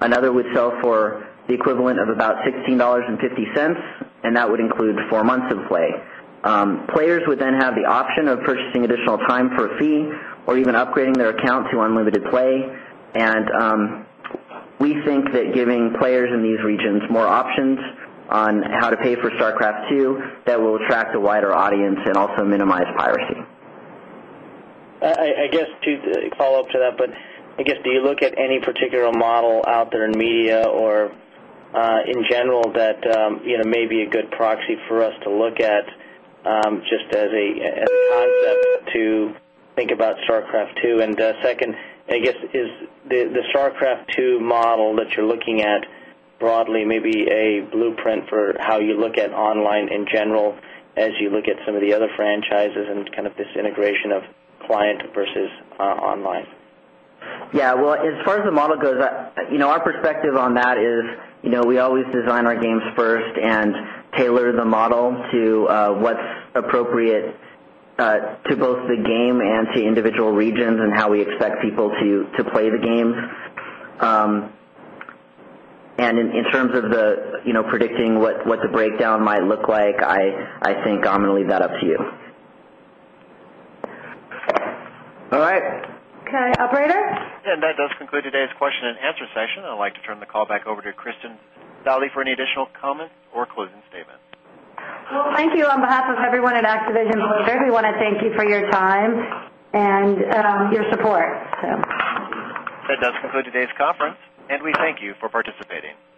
Another would sell for the equivalent of about $16.50 and that would include 4 months of play. Players would then have the option of purchasing additional time for a fee or even upgrading their account to unlimited play. And we think that giving players in these regions more options on how to pay for StarCraft 2 that will attract a wider audience and also minimize piracy. I guess 2 follow-up to that, but I guess, do you look at any particular model out there in media or in general that, maybe a good proxy for us to look at, just as a concept to think about StarCraft 2. And second, I guess, is the Starcraft 2 model that you're looking at broadly maybe a blueprint for how you look at online in general as you look at some of the other franchises and kind of disintegration of client versus online. Yeah. Well, as far as the model goes, our perspective on that is, you know, we always design our games first and tailored the model to what's appropriate to both the game and to individual regions and how we expect people to play the games. And in terms of the, you know, predicting what what the breakdown might look like, I think I'm going to leave that up to you. All right. Can I operator? And that does conclude today's question and answer session. I'd like to turn the call back over to Kristin Dali for any additional comments or closing statements. Well, thank you on behalf of everyone at Activision Motors. We want to thank you for your time. And your support. So. That does conclude today's conference. And we thank you for participating.